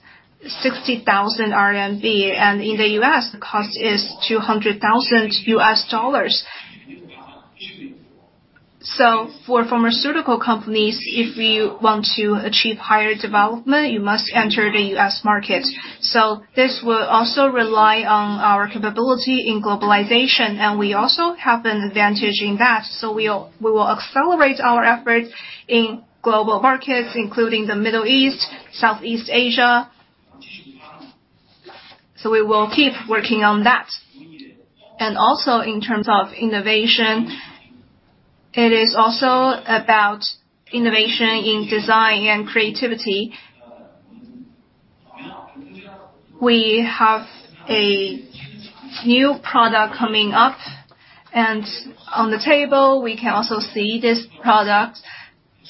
60,000 RMB, and in the U.S., the cost is $200,000. For pharmaceutical companies, if you want to achieve higher development, you must enter the U.S. market. This will also rely on our capability in globalization, and we also have an advantage in that, so we'll, we will accelerate our efforts in global markets, including the Middle East, Southeast Asia. So we will keep working on that. And also, in terms of innovation, it is also about innovation in design and creativity. We have a new product coming up, and on the table, we can also see this product.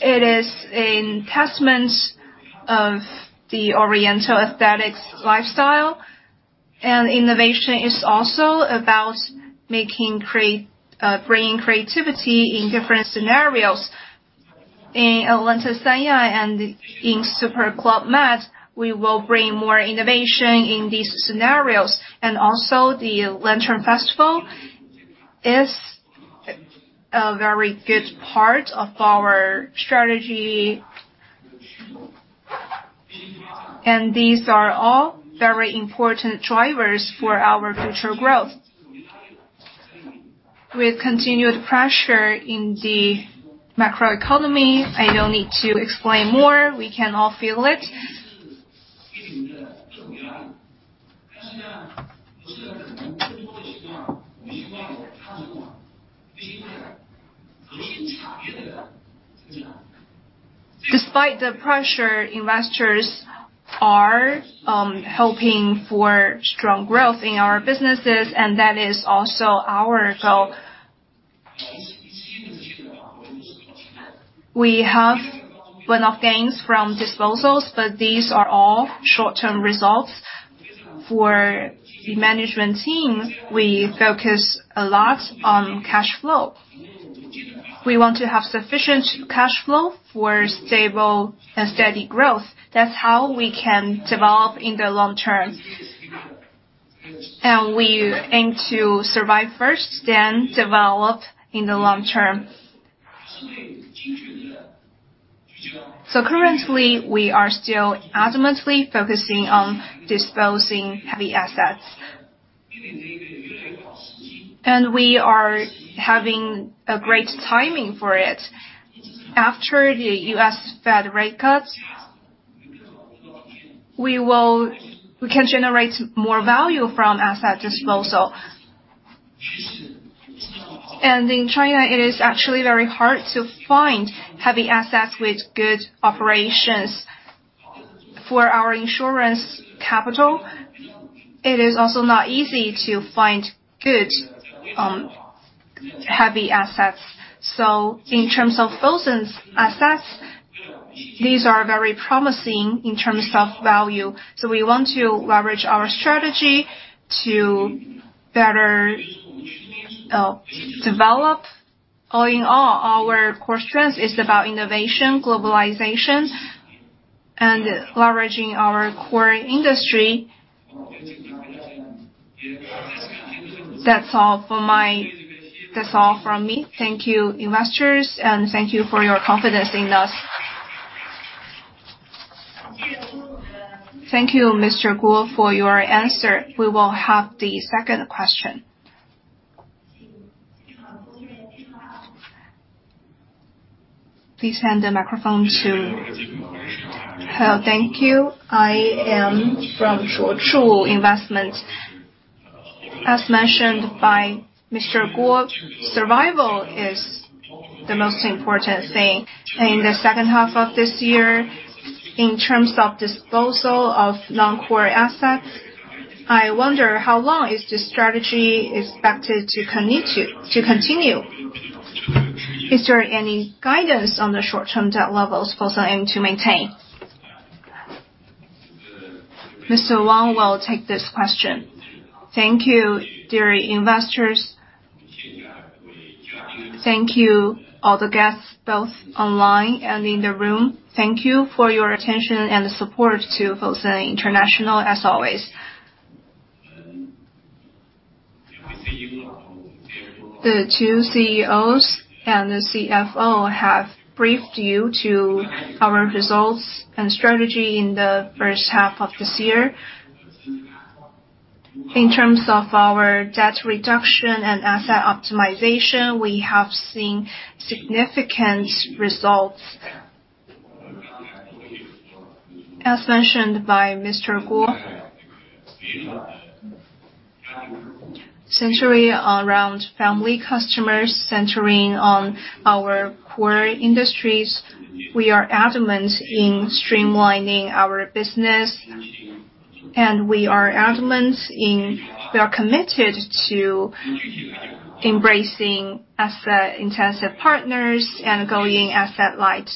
It is a testament of the Oriental aesthetics lifestyle. And innovation is also about bringing creativity in different scenarios. In Atlantis Sanya and in Super Club Med, we will bring more innovation in these scenarios. And also, the Lantern Festival is a very good part of our strategy, and these are all very important drivers for our future growth. With continued pressure in the macroeconomy, I don't need to explain more, we can all feel it. Despite the pressure, investors are hoping for strong growth in our businesses, and that is also our goal. We have one-off gains from disposals, but these are all short-term results. For the management team, we focus a lot on cash flow. We want to have sufficient cash flow for stable and steady growth. That's how we can develop in the long term. And we aim to survive first, then develop in the long term. So currently, we are still adamantly focusing on disposing heavy assets. And we are having a great timing for it. After the U.S. Fed rate cuts, we can generate more value from asset disposal. And in China, it is actually very hard to find heavy assets with good operations. For our insurance capital, it is also not easy to find good heavy assets. So in terms of Fosun's assets, these are very promising in terms of value. So we want to leverage our strategy to better develop. All in all, our core strength is about innovation, globalization, and leveraging our core industry. That's all from me. Thank you, investors, and thank you for your confidence in us. Thank you, Mr. Guo, for your answer. We will have the second question. Please hand the microphone to... Thank you. I am from Shuozhuo Investment. As mentioned by Mr. Guo, survival is the most important thing in the second half of this year. In terms of disposal of non-core assets, I wonder how long is this strategy expected to continue, to continue? Is there any guidance on the short-term debt levels Fosun aim to maintain? Mr. Wang will take this question. Thank you, dear investors. Thank you, all the guests, both online and in the room. Thank you for your attention and the support to Fosun International, as always. The two CEOs and the CFO have briefed you to our results and strategy in the first half of this year. In terms of our debt reduction and asset optimization, we have seen significant results. As mentioned by Mr. Guo, essentially around family customers, centering on our core industries, we are adamant in streamlining our business, and we are committed to embracing asset-intensive partners and going asset-light.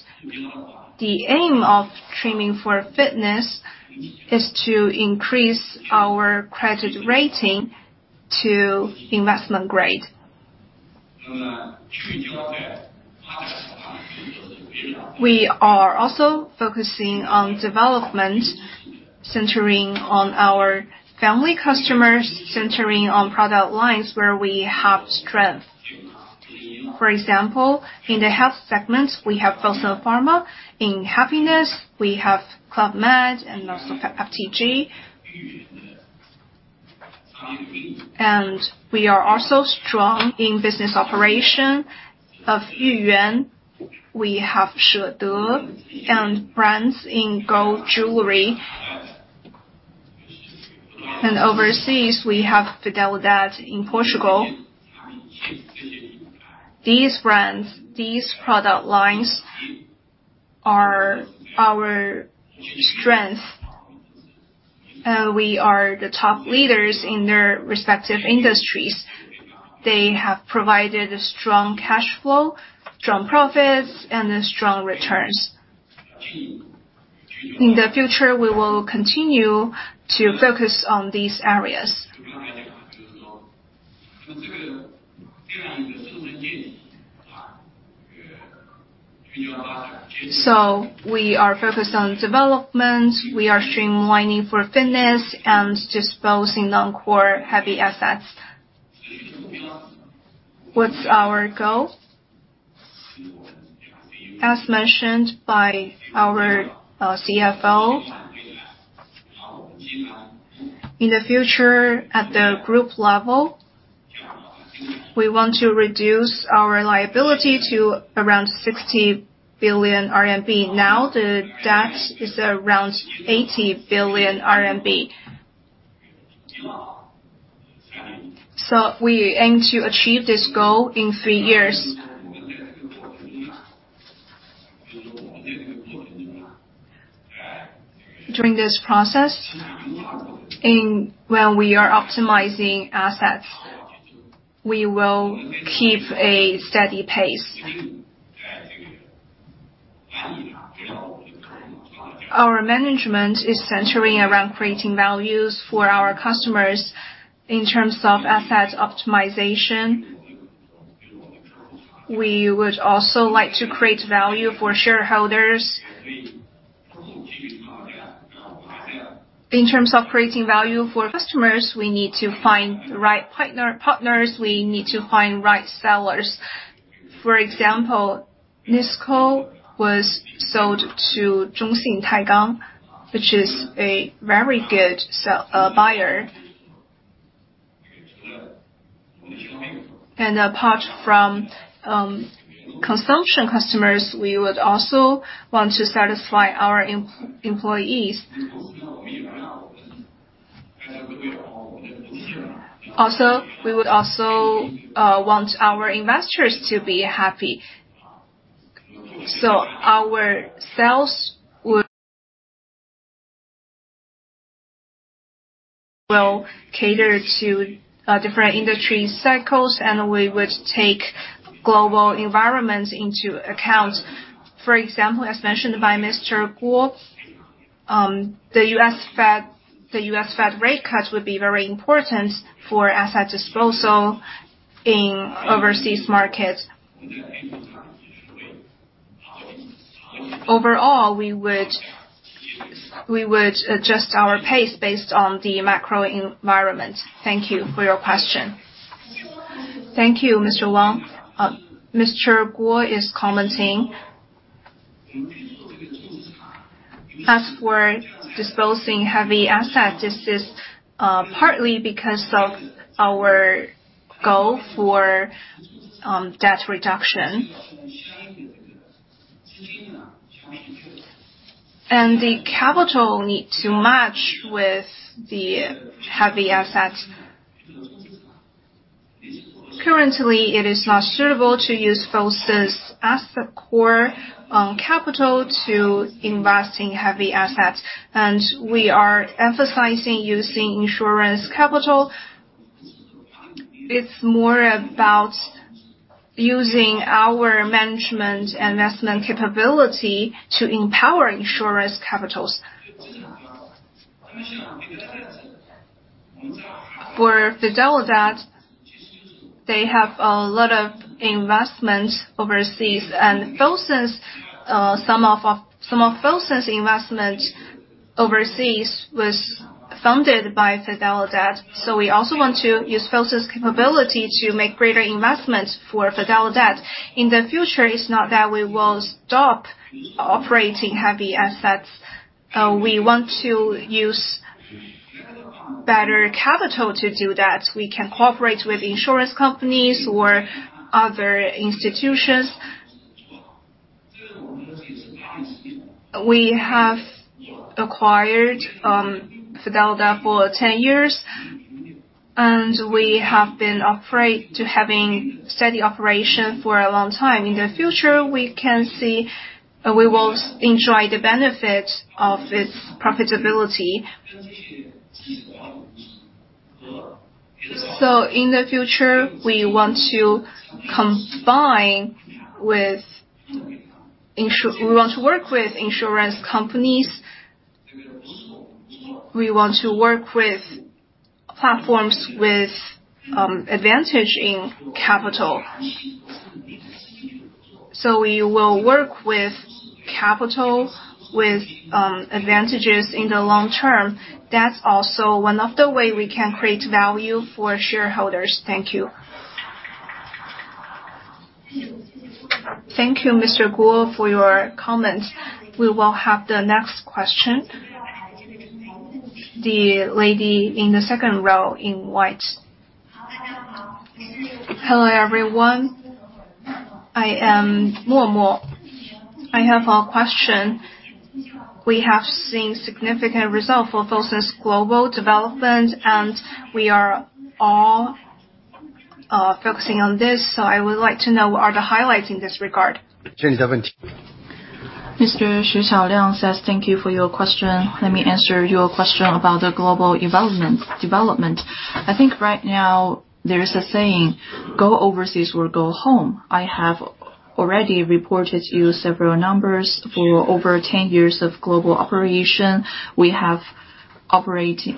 The aim of trimming for fitness is to increase our credit rating to investment grade. We are also focusing on development, centering on our family customers, centering on product lines where we have strength. For example, in the health segment, we have Fosun Pharma. In happiness, we have Club Med and also FTG. We are also strong in business operation of Yuyuan. We have Shede and brands in gold jewelry. Overseas, we have Fidelidade in Portugal. These brands, these product lines are our strength, and we are the top leaders in their respective industries. They have provided a strong cash flow, strong profits, and strong returns. In the future, we will continue to focus on these areas, so we are focused on development. We are streamlining for fitness and disposing non-core heavy assets. What's our goal? As mentioned by our CFO, in the future, at the group level, we want to reduce our liability to around 60 billion RMB. Now, the debt is around 80 billion RMB. So we aim to achieve this goal in three years. During this process, when we are optimizing assets, we will keep a steady pace. Our management is centering around creating values for our customers in terms of asset optimization. We would also like to create value for shareholders. In terms of creating value for customers, we need to find the right partner, partners. We need to find right sellers. For example, NISCO was sold to CITIC Pacific Special Steel, which is a very good buyer. Apart from consumption customers, we would also want to satisfy our employees. Also, we would want our investors to be happy. So our sales will cater to different industry cycles, and we would take global environments into account. For example, as mentioned by Mr. Guo, the U.S. Fed rate cut would be very important for asset disposal in overseas markets. Overall, we would adjust our pace based on the macro environment. Thank you for your question. Thank you, Mr. Wang. Mr. Guo is commenting. As for disposing heavy assets, this is partly because of our goal for debt reduction, and the capital need to match with the heavy assets. Currently, it is not suitable to use Fosun's asset core capital to invest in heavy assets, and we are emphasizing using insurance capital. It's more about using our management investment capability to empower insurance capitals. For Fidelidade, they have a lot of investment overseas, and some of Fosun's investment overseas was funded by Fidelidade. So we also want to use Fosun's capability to make greater investment for Fidelidade. In the future, it's not that we will stop operating heavy assets. We want to use better capital to do that. We can cooperate with insurance companies or other institutions. We have acquired Fidelidade for 10 years, and we have been operate to having steady operation for a long time. In the future, we can see we will enjoy the benefit of its profitability. In the future, we want to work with insurance companies. We want to work with platforms with advantage in capital. So we will work with capital, with, advantages in the long term. That's also one of the way we can create value for shareholders. Thank you. Thank you, Mr. Guo, for your comments. We will have the next question. The lady in the second row in white. Hello, everyone. I am Momo. I have a question. We have seen significant results for Fosun's global development, and we are all, focusing on this, so I would like to know, what are the highlights in this regard? Mr. Xu Xiaoliang says thank you for your question. Let me answer your question about the global development. I think right now, there is a saying, "Go overseas or go home." I have already reported to you several numbers. For over ten years of global operation, we have-...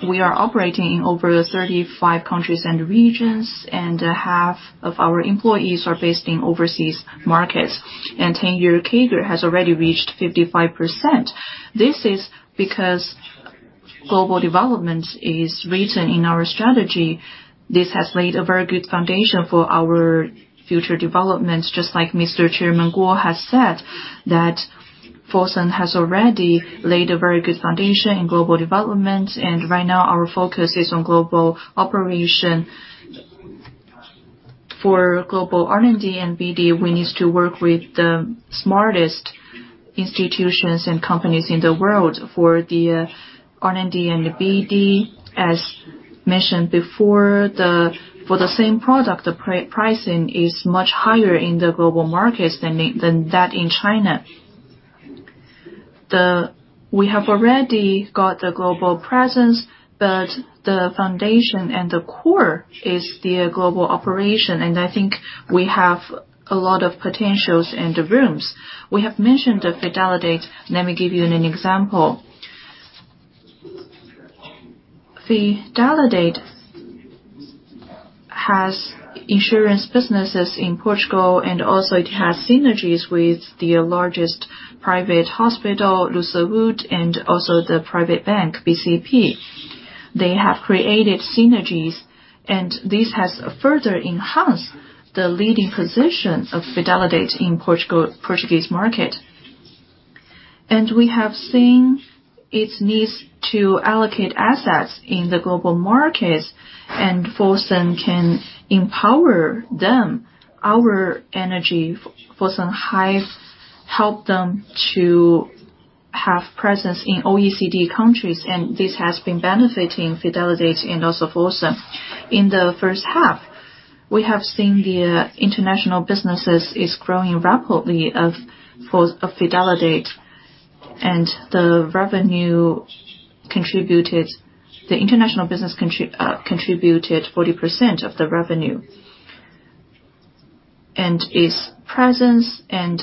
we are operating in over 35 countries and regions, and half of our employees are based in overseas markets. And 10-year CAGR has already reached 55%. This is because global development is written in our strategy. This has laid a very good foundation for our future developments, just like Mr. Chairman Guo has said, that Fosun has already laid a very good foundation in global development, and right now, our focus is on global operation. For global R&D and BD, we need to work with the smartest institutions and companies in the world for the R&D and the BD. As mentioned before, for the same product, the pricing is much higher in the global markets than that in China. We have already got the global presence, but the foundation and the core is the global operation, and I think we have a lot of potentials and rooms. We have mentioned the Fidelidade. Let me give you an example. Fidelidade has insurance businesses in Portugal, and also it has synergies with the largest private hospital, Luz Saúde, and also the private bank, BCP. They have created synergies, and this has further enhanced the leading position of Fidelidade in the Portuguese market. We have seen its needs to allocate assets in the global markets, and Fosun can empower them. Our entity, Fosun, has helped them to have presence in OECD countries, and this has been benefiting Fidelidade and also Fosun. In the first half, we have seen the international businesses is growing rapidly of Fidelidade, and the revenue contributed - the international business contributed 40% of the revenue. And its presence and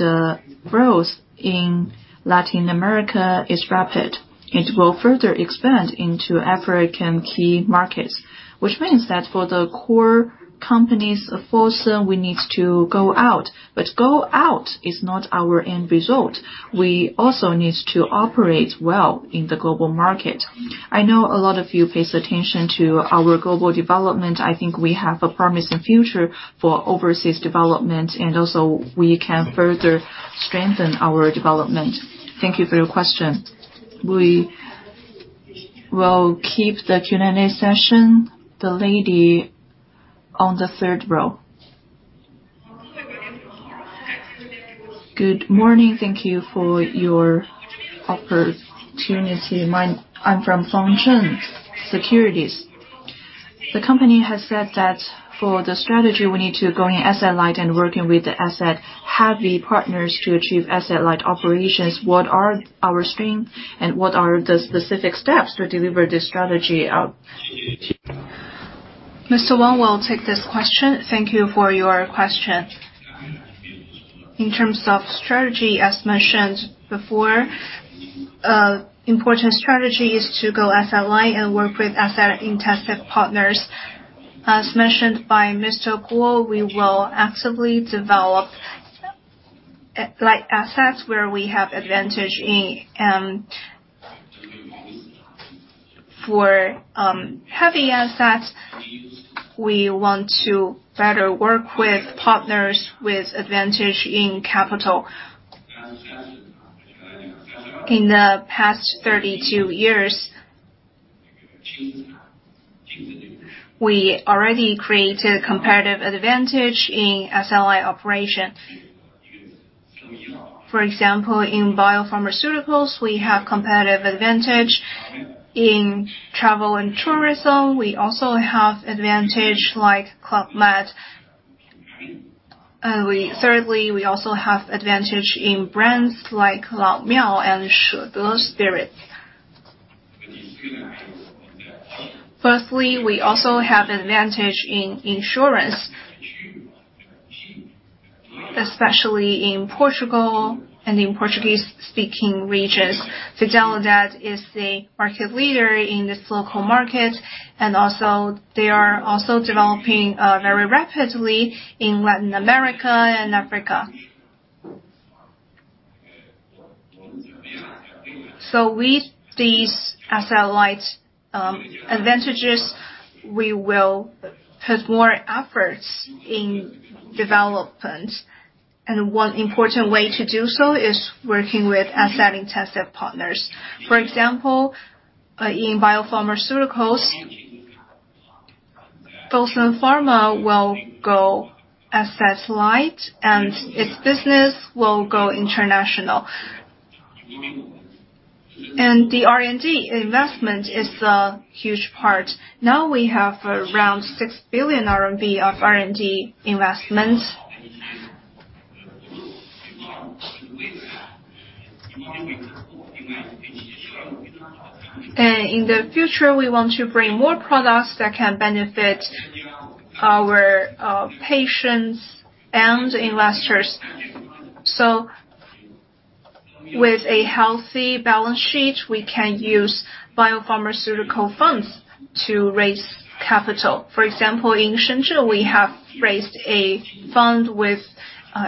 growth in Latin America is rapid. It will further expand into African key markets, which means that for the core companies of Fosun, we need to go out, but go out is not our end result. We also need to operate well in the global market. I know a lot of you pays attention to our global development. I think we have a promising future for overseas development, and also we can further strengthen our development. Thank you for your question. We will keep the Q&A session. The lady on the third row. Good morning. Thank you for your opportunity. I'm from Founder Securities. The company has said that for the strategy, we need to go asset light and work with the asset-heavy partners to achieve asset light operations. What are our strengths, and what are the specific steps to deliver this strategy out? Mr. Wang will take this question. Thank you for your question. In terms of strategy, as mentioned before, important strategy is to go asset light and work with asset-intensive partners. As mentioned by Mr. Guo, we will actively develop light assets where we have advantage in. And for heavy assets, we want to better work with partners with advantage in capital. In the past thirty-two years, we already created competitive advantage in asset light operations. For example, in biopharmaceuticals, we have competitive advantage. In travel and tourism, we also have advantage like Club Med. Thirdly, we also have advantage in brands like Lao Miao and Shede Spirits. Fourthly, we also have advantage in insurance, especially in Portugal and in Portuguese-speaking regions. Fidelidade is the market leader in this local market, and also, they are also developing very rapidly in Latin America and Africa. So with these asset light advantages, we will put more efforts in development, and one important way to do so is working with asset-intensive partners. For example, in biopharmaceuticals, Fosun Pharma will go asset light, and its business will go international. And the R&D investment is a huge part. Now we have around 6 billion RMB of R&D investment. In the future, we want to bring more products that can benefit our patients and investors. So-... With a healthy balance sheet, we can use biopharmaceutical funds to raise capital. For example, in Shenzhen, we have raised a fund with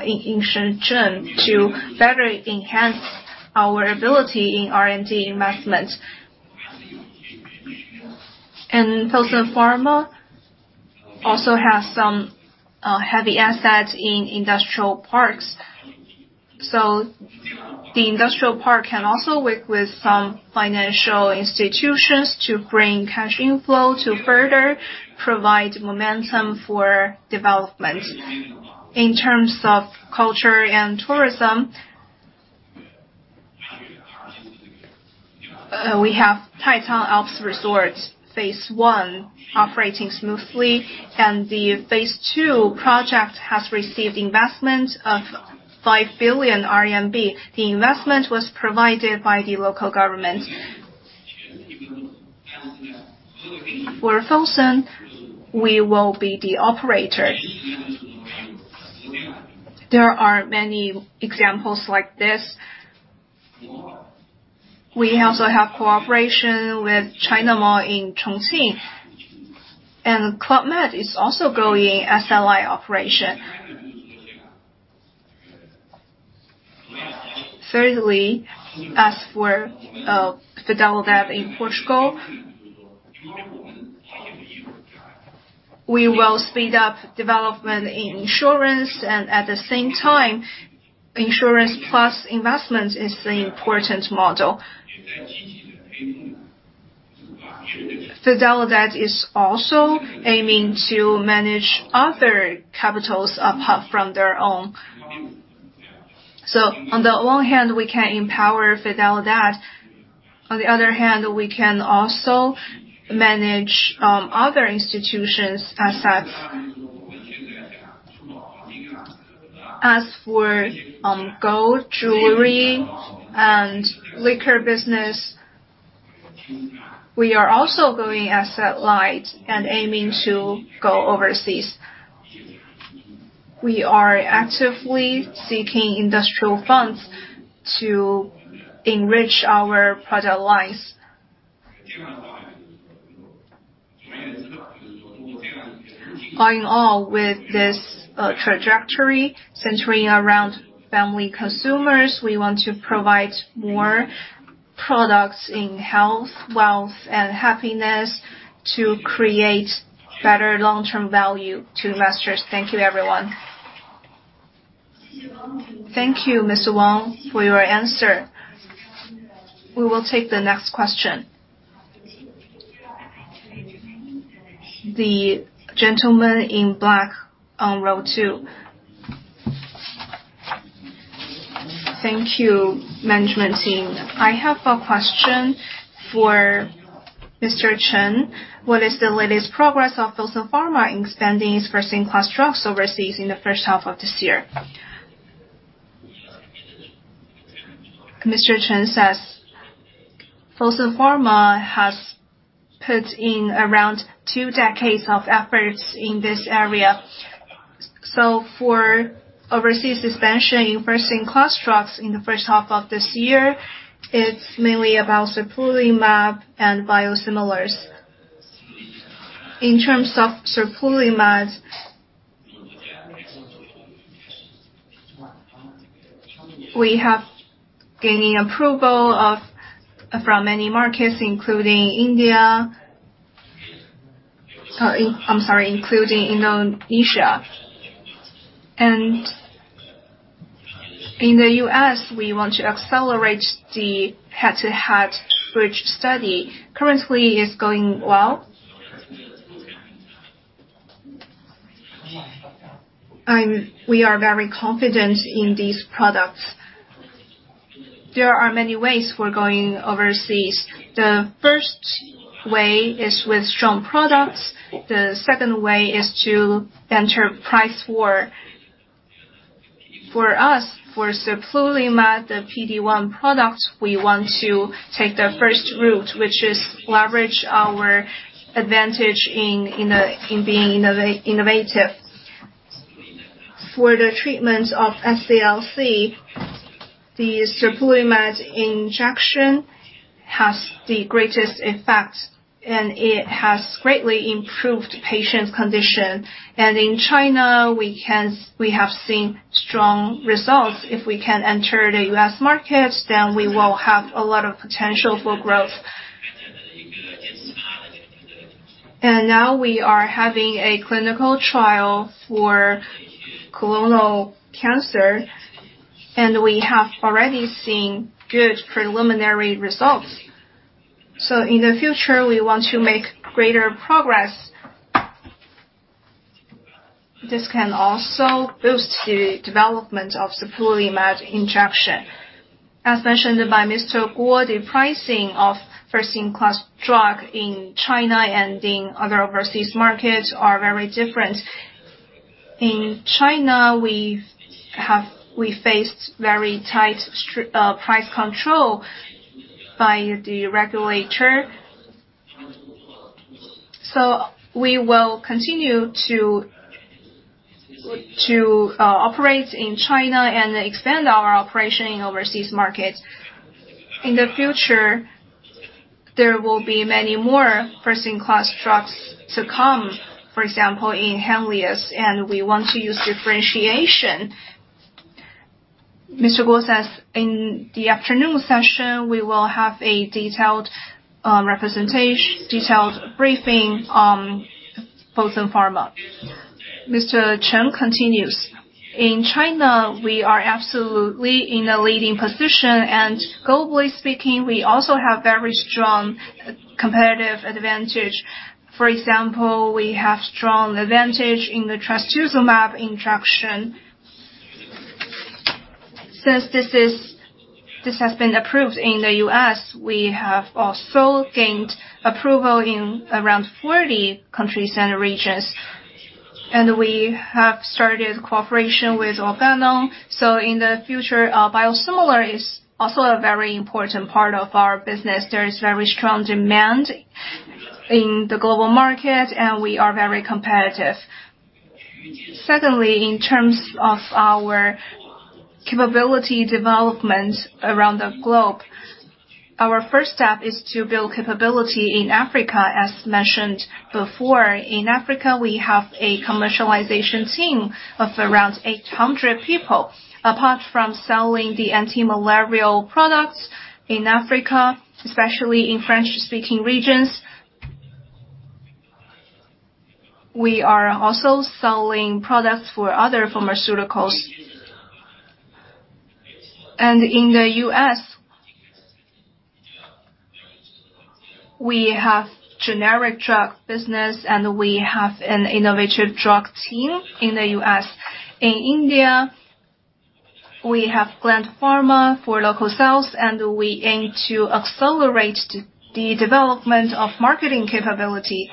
in Shenzhen to better enhance our ability in R&D investment. And Fosun Pharma also has some heavy assets in industrial parks. So the industrial park can also work with some financial institutions to bring cash inflow to further provide momentum for development. In terms of culture and tourism, we have Taicang Alps Resort, phase one operating smoothly, and the phase two project has received investment of 5 billion RMB. The investment was provided by the local government. For Fosun, we will be the operator. There are many examples like this. We also have cooperation with China Mall in Chongqing, and Club Med is also growing in SLI operation. Thirdly, as for the Fidelidade in Portugal, we will speed up development in insurance, and at the same time, insurance plus investment is the important model. Fidelidade is also aiming to manage other capitals apart from their own. So on the one hand, we can empower Fidelidade. On the other hand, we can also manage other institutions' assets. As for gold, jewelry, and liquor business, we are also going asset-light and aiming to go overseas. We are actively seeking industrial funds to enrich our product lines. All in all, with this trajectory centering around family consumers, we want to provide more products in health, wealth, and happiness to create better long-term value to investors. Thank you, everyone. Thank you, Mr. Wang, for your answer. We will take the next question. The gentleman in black on row two. Thank you, management team. I have a question for Mr. Chen. What is the latest progress of Fosun Pharma in expanding its first-in-class drugs overseas in the first half of this year? Mr. Chen says, Fosun Pharma has put in around two decades of efforts in this area. So for overseas expansion in first-in-class drugs in the first half of this year, it's mainly about Serplulimab and biosimilars. In terms of Serplulimab, we have gaining approval from many markets, including India. Sorry, I'm sorry, including Indonesia. And in the US, we want to accelerate the head-to-head bridge study. Currently, it's going well. And we are very confident in these products. There are many ways we're going overseas. The first way is with strong products. The second way is to enter price war. For us, for serplulimab, the PD-1 product, we want to take the first route, which is leverage our advantage in being innovative. For the treatment of SCLC, the serplulimab injection has the greatest effect, and it has greatly improved patients' condition, and in China we have seen strong results. If we can enter the U.S. market, then we will have a lot of potential for growth, and now we are having a clinical trial for colorectal cancer, and we have already seen good preliminary results, so in the future we want to make greater progress. This can also boost the development of serplulimab injection. As mentioned by Mr. Guo, the pricing of first-in-class drug in China and in other overseas markets are very different. In China, we've faced very tight price control by the regulator. So we will continue to operate in China and expand our operation in overseas markets. In the future, there will be many more first-in-class drugs to come, for example, in Henlius, and we want to use differentiation. Mr. Guo says, in the afternoon session, we will have a detailed briefing on Fosun Pharma. Mr. Chen continues, "In China, we are absolutely in a leading position, and globally speaking, we also have very strong competitive advantage. For example, we have strong advantage in the trastuzumab injection. Since this has been approved in the U.S., we have also gained approval in around 40 countries and regions, and we have started cooperation with Organon. So in the future, biosimilar is also a very important part of our business. There is very strong demand in the global market, and we are very competitive. Secondly, in terms of our capability development around the globe, our first step is to build capability in Africa. As mentioned before, in Africa, we have a commercialization team of around 800 people. Apart from selling the antimalarial products in Africa, especially in French-speaking regions, we are also selling products for other pharmaceuticals. In the U.S., we have generic drug business, and we have an innovative drug team in the U.S. In India, we have Gland Pharma for local sales, and we aim to accelerate the development of marketing capability.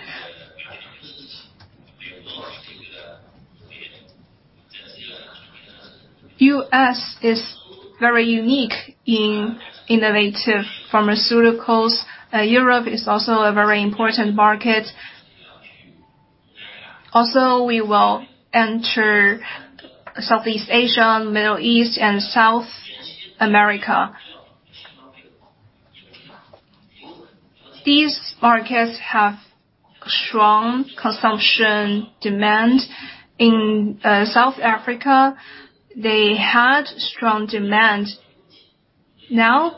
The U.S. is very unique in innovative pharmaceuticals. Europe is also a very important market. Also, we will enter Southeast Asia, Middle East, and South America. These markets have strong consumption demand. In South Africa, they had strong demand. Now,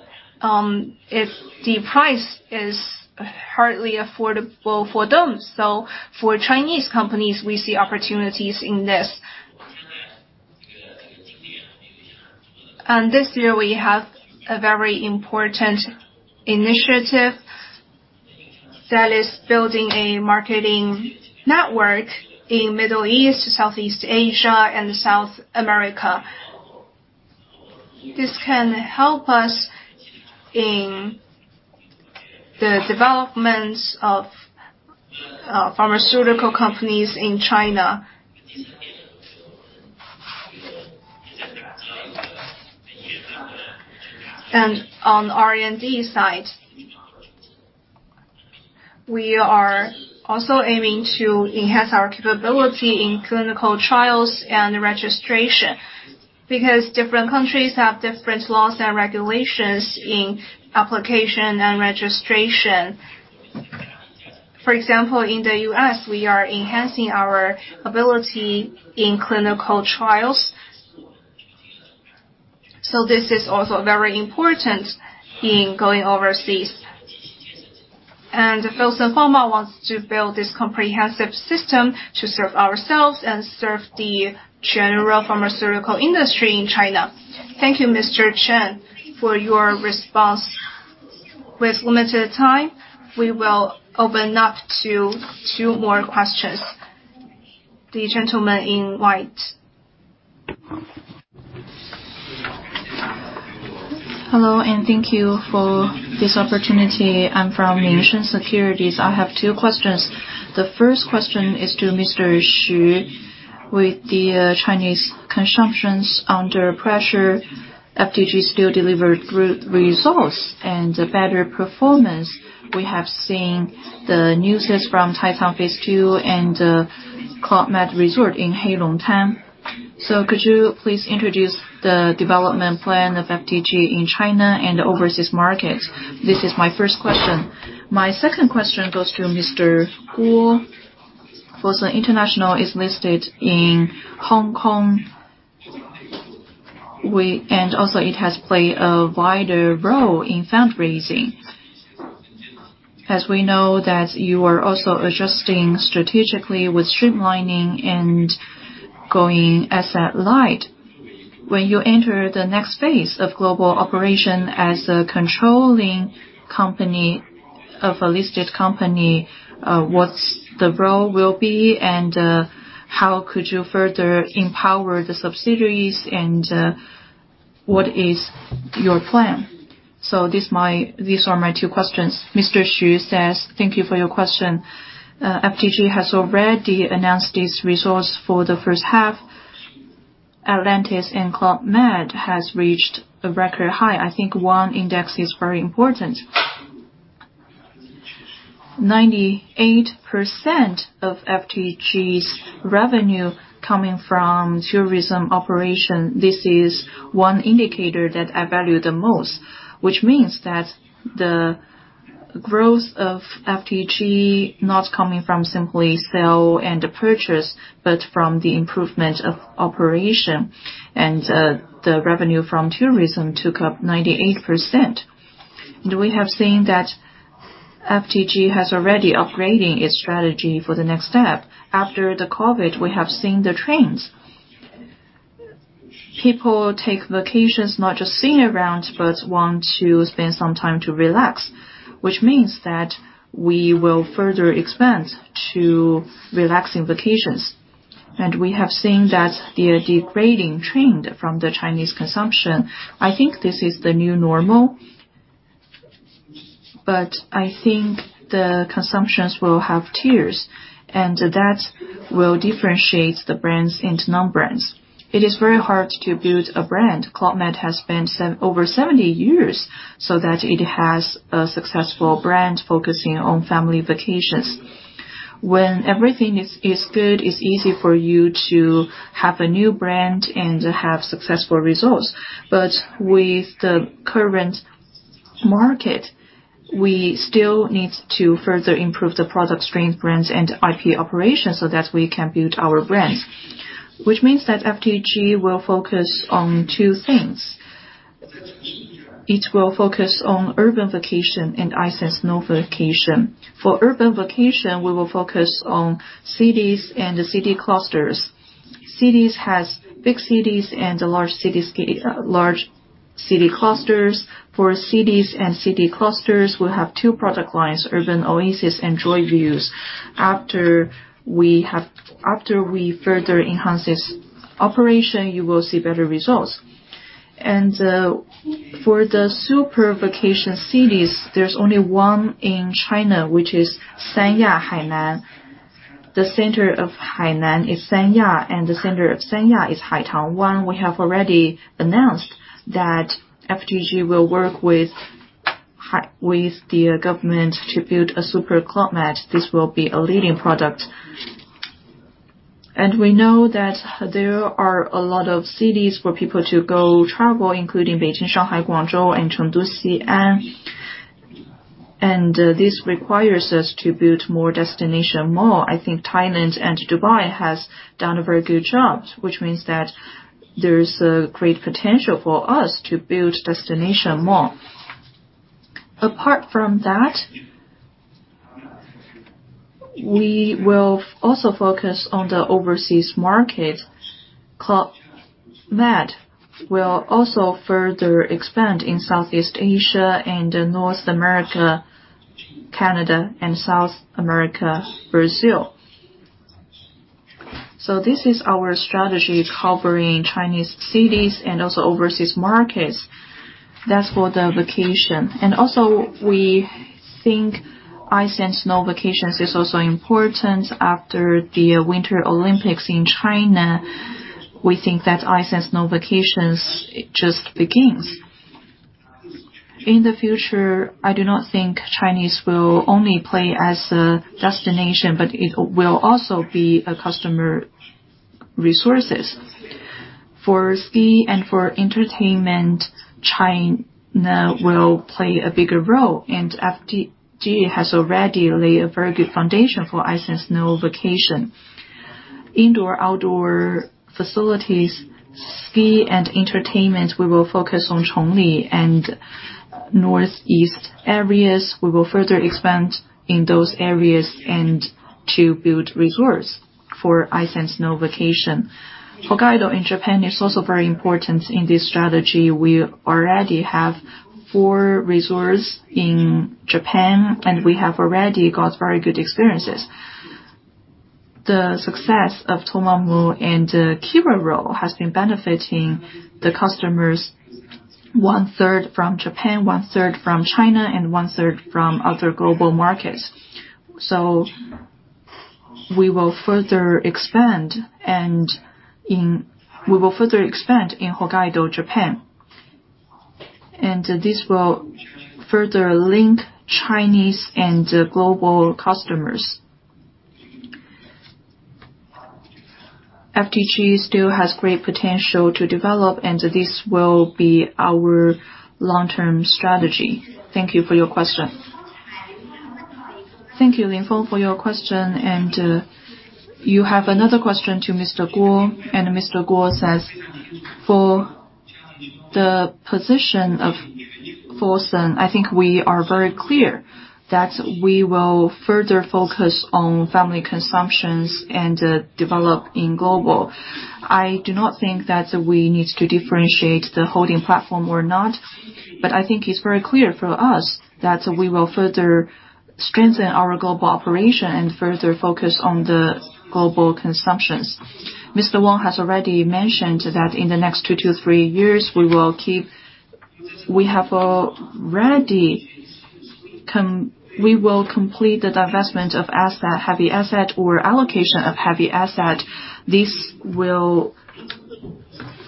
if the price is hardly affordable for them, so for Chinese companies, we see opportunities in this. And this year, we have a very important initiative that is building a marketing network in Middle East, Southeast Asia and South America. This can help us in the developments of pharmaceutical companies in China. And on the R&D side, we are also aiming to enhance our capability in clinical trials and registration, because different countries have different laws and regulations in application and registration. For example, in the U.S., we are enhancing our ability in clinical trials, so this is also very important in going overseas. And Fosun Pharma wants to build this comprehensive system to serve ourselves and serve the general pharmaceutical industry in China. " Thank you, Mr. Chen, for your response. With limited time, we will open up to two more questions. The gentleman in white. Hello, and thank you for this opportunity. I'm from Minsheng Securities. I have two questions. The first question is to Mr. Xu. With the Chinese consumption under pressure, FTG still delivered good results and a better performance. We have seen the news from Taicang Phase Two and Club Med Resort in Heilongtan. So could you please introduce the development plan of FTG in China and overseas markets? This is my first question. My second question goes to Mr. Guo. Fosun International is listed in Hong Kong. We, and also, it has played a wider role in fundraising. As we know that you are also adjusting strategically with streamlining and going asset-light. When you enter the next phase of global operation as a controlling company of a listed company, what's the role will be, and how could you further empower the subsidiaries, and what is your plan? So these are my two questions. Mr. Xu says, thank you for your question. FTG has already announced its results for the first half.... Atlantis and Club Med has reached a record high. I think one index is very important. 98% of FTG's revenue coming from tourism operation, this is one indicator that I value the most, which means that the growth of FTG not coming from simply sell and purchase, but from the improvement of operation, and the revenue from tourism took up 98%. And we have seen that FTG has already upgrading its strategy for the next step. After the COVID, we have seen the trends. People take vacations, not just sitting around, but want to spend some time to relax, which means that we will further expand to relaxing vacations. And we have seen that the degrading trend from the Chinese consumption, I think this is the new normal, but I think the consumptions will have tiers, and that will differentiate the brands into non-brands. It is very hard to build a brand. Club Med has spent over seventy years, so that it has a successful brand focusing on family vacations. When everything is good, it's easy for you to have a new brand and have successful results. But with the current market, we still need to further improve the product strength, brands, and IP operations so that we can build our brands. Which means that FTG will focus on two things. It will focus on urban vacation and ice and snow vacation. For urban vacation, we will focus on cities and the city clusters. Cities has big cities and large cities, large city clusters. For cities and city clusters, we have two product lines, Urban Oasis and Joyview. After we further enhance this operation, you will see better results. For the super vacation cities, there's only one in China, which is Sanya, Hainan. The center of Hainan is Sanya, and the center of Sanya is Haitang. We have already announced that FTG will work with the government to build a super Club Med. This will be a leading product. We know that there are a lot of cities for people to go travel, including Beijing, Shanghai, Guangzhou, and Chengdu, Xi'an. This requires us to build more destination mall. I think Thailand and Dubai has done a very good job, which means that there is a great potential for us to build destination mall. Apart from that, we will also focus on the overseas market. Club Med will also further expand in Southeast Asia and North America, Canada, and South America, Brazil. So this is our strategy, covering Chinese cities and also overseas markets. That's for the vacation. And also, we think ice and snow vacations is also important after the Winter Olympics in China. We think that ice and snow vacations, it just begins. In the future, I do not think Chinese will only play as a destination, but it will also be a customer resources. For ski and for entertainment, China will play a bigger role, and FTG has already laid a very good foundation for ice and snow vacation. Indoor, outdoor facilities, ski and entertainment, we will focus on Chongli and Northeast areas. We will further expand in those areas and to build resorts for ice and snow vacation. Hokkaido in Japan is also very important in this strategy. We already have four resorts in Japan, and we have already got very good experiences. The success of Tomamu and Kiroro has been benefiting the customers, one third from Japan, one third from China, and one third from other global markets. We will further expand, and we will further expand in Hokkaido, Japan. And this will further link Chinese and global customers. FTG still has great potential to develop, and this will be our long-term strategy. Thank you for your question. Thank you, Lin Feng, for your question, and you have another question to Mr. Guo, and Mr. Guo says, for the position of Fosun, I think we are very clear that we will further focus on family consumptions and develop in global. I do not think that we need to differentiate the holding platform or not, but I think it's very clear for us that we will further strengthen our global operation and further focus on the global consumptions. Mr. Wang has already mentioned that in the next two to three years, we will complete the divestment of asset, heavy asset, or allocation of heavy asset. This will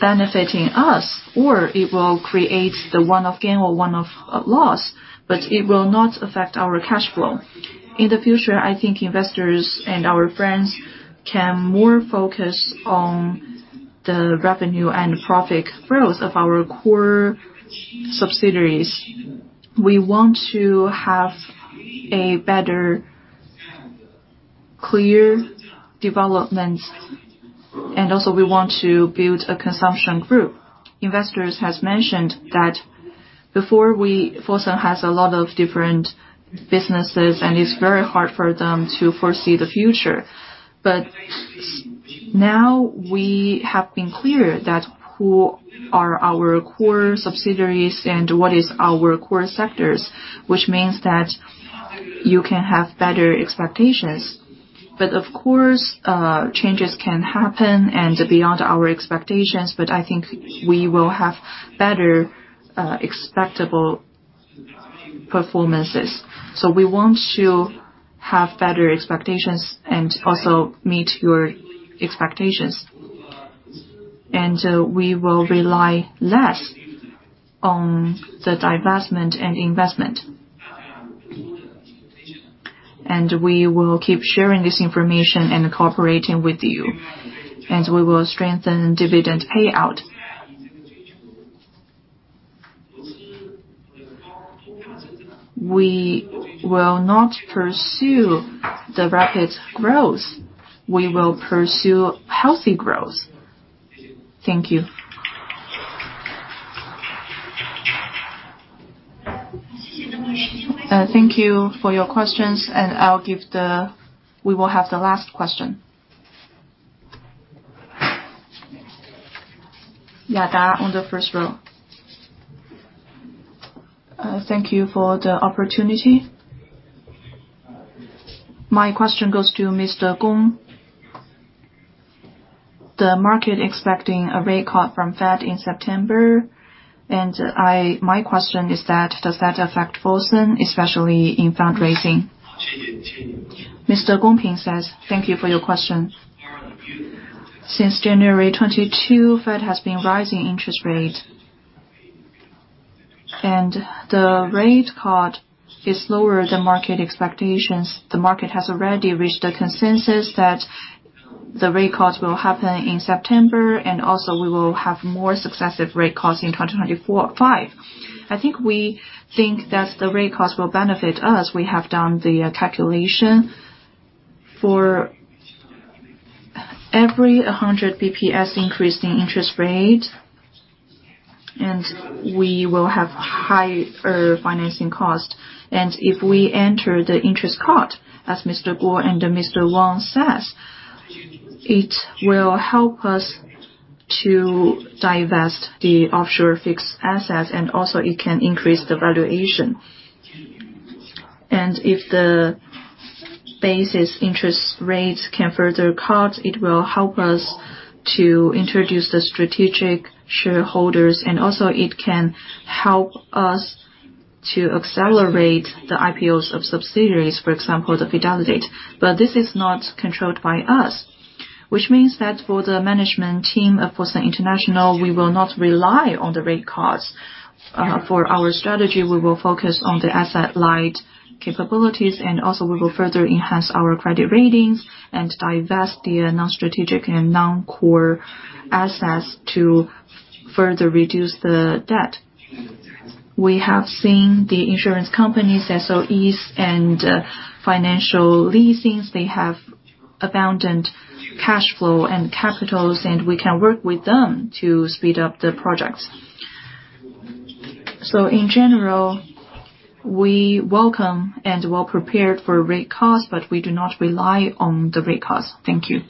benefiting us, or it will create the one-off gain or one-off loss, but it will not affect our cash flow. In the future, I think investors and our friends can more focus on the revenue and profit growth of our core subsidiaries. We want to have a better, clear development, and also we want to build a consumption group. Investors has mentioned that before we, Fosun has a lot of different businesses, and it's very hard for them to foresee the future. But now, we have been clear that who are our core subsidiaries and what is our core sectors, which means that you can have better expectations. But of course, changes can happen and beyond our expectations, but I think we will have better, expectable, performances. So we want to have better expectations and also meet your expectations. And we will rely less on the divestment and investment. And we will keep sharing this information and cooperating with you, and we will strengthen dividend payout. We will not pursue the rapid growth, we will pursue healthy growth. Thank you. Thank you for your questions, and I'll give the... We will have the last question. Yeah there, on the first row. Thank you for the opportunity. My question goes to Mr. Gong. The market expecting a rate cut from Fed in September, and my question is that, does that affect Fosun, especially in fundraising? Thank you for your question. Since January 2022, Fed has been rising interest rate, and the rate cut is lower than market expectations. The market has already reached a consensus that the rate cuts will happen in September, and also we will have more successive rate cuts in 2024, 2025. I think we think that the rate cuts will benefit us. We have done the calculation. For every a 100 basis points increase in interest rate, and we will have higher financing cost. And if we enter the interest cut, as Mr. Guo and Mr. Wang says, it will help us to divest the offshore fixed assets, and also it can increase the valuation, and if the basis interest rates can further cut, it will help us to introduce the strategic shareholders, and also it can help us to accelerate the IPOs of subsidiaries, for example, the Fidelidade, but this is not controlled by us, which means that for the management team of Fosun International, we will not rely on the rate cuts, for our strategy, we will focus on the asset-light capabilities, and also we will further enhance our credit ratings and divest the non-strategic and non-core assets to further reduce the debt. We have seen the insurance companies, SOEs, and financial leasings. They have abundant cash flow and capitals, and we can work with them to speed up the projects. In general, we welcome and are well prepared for rate cuts, but we do not rely on the rate cuts. Thank you.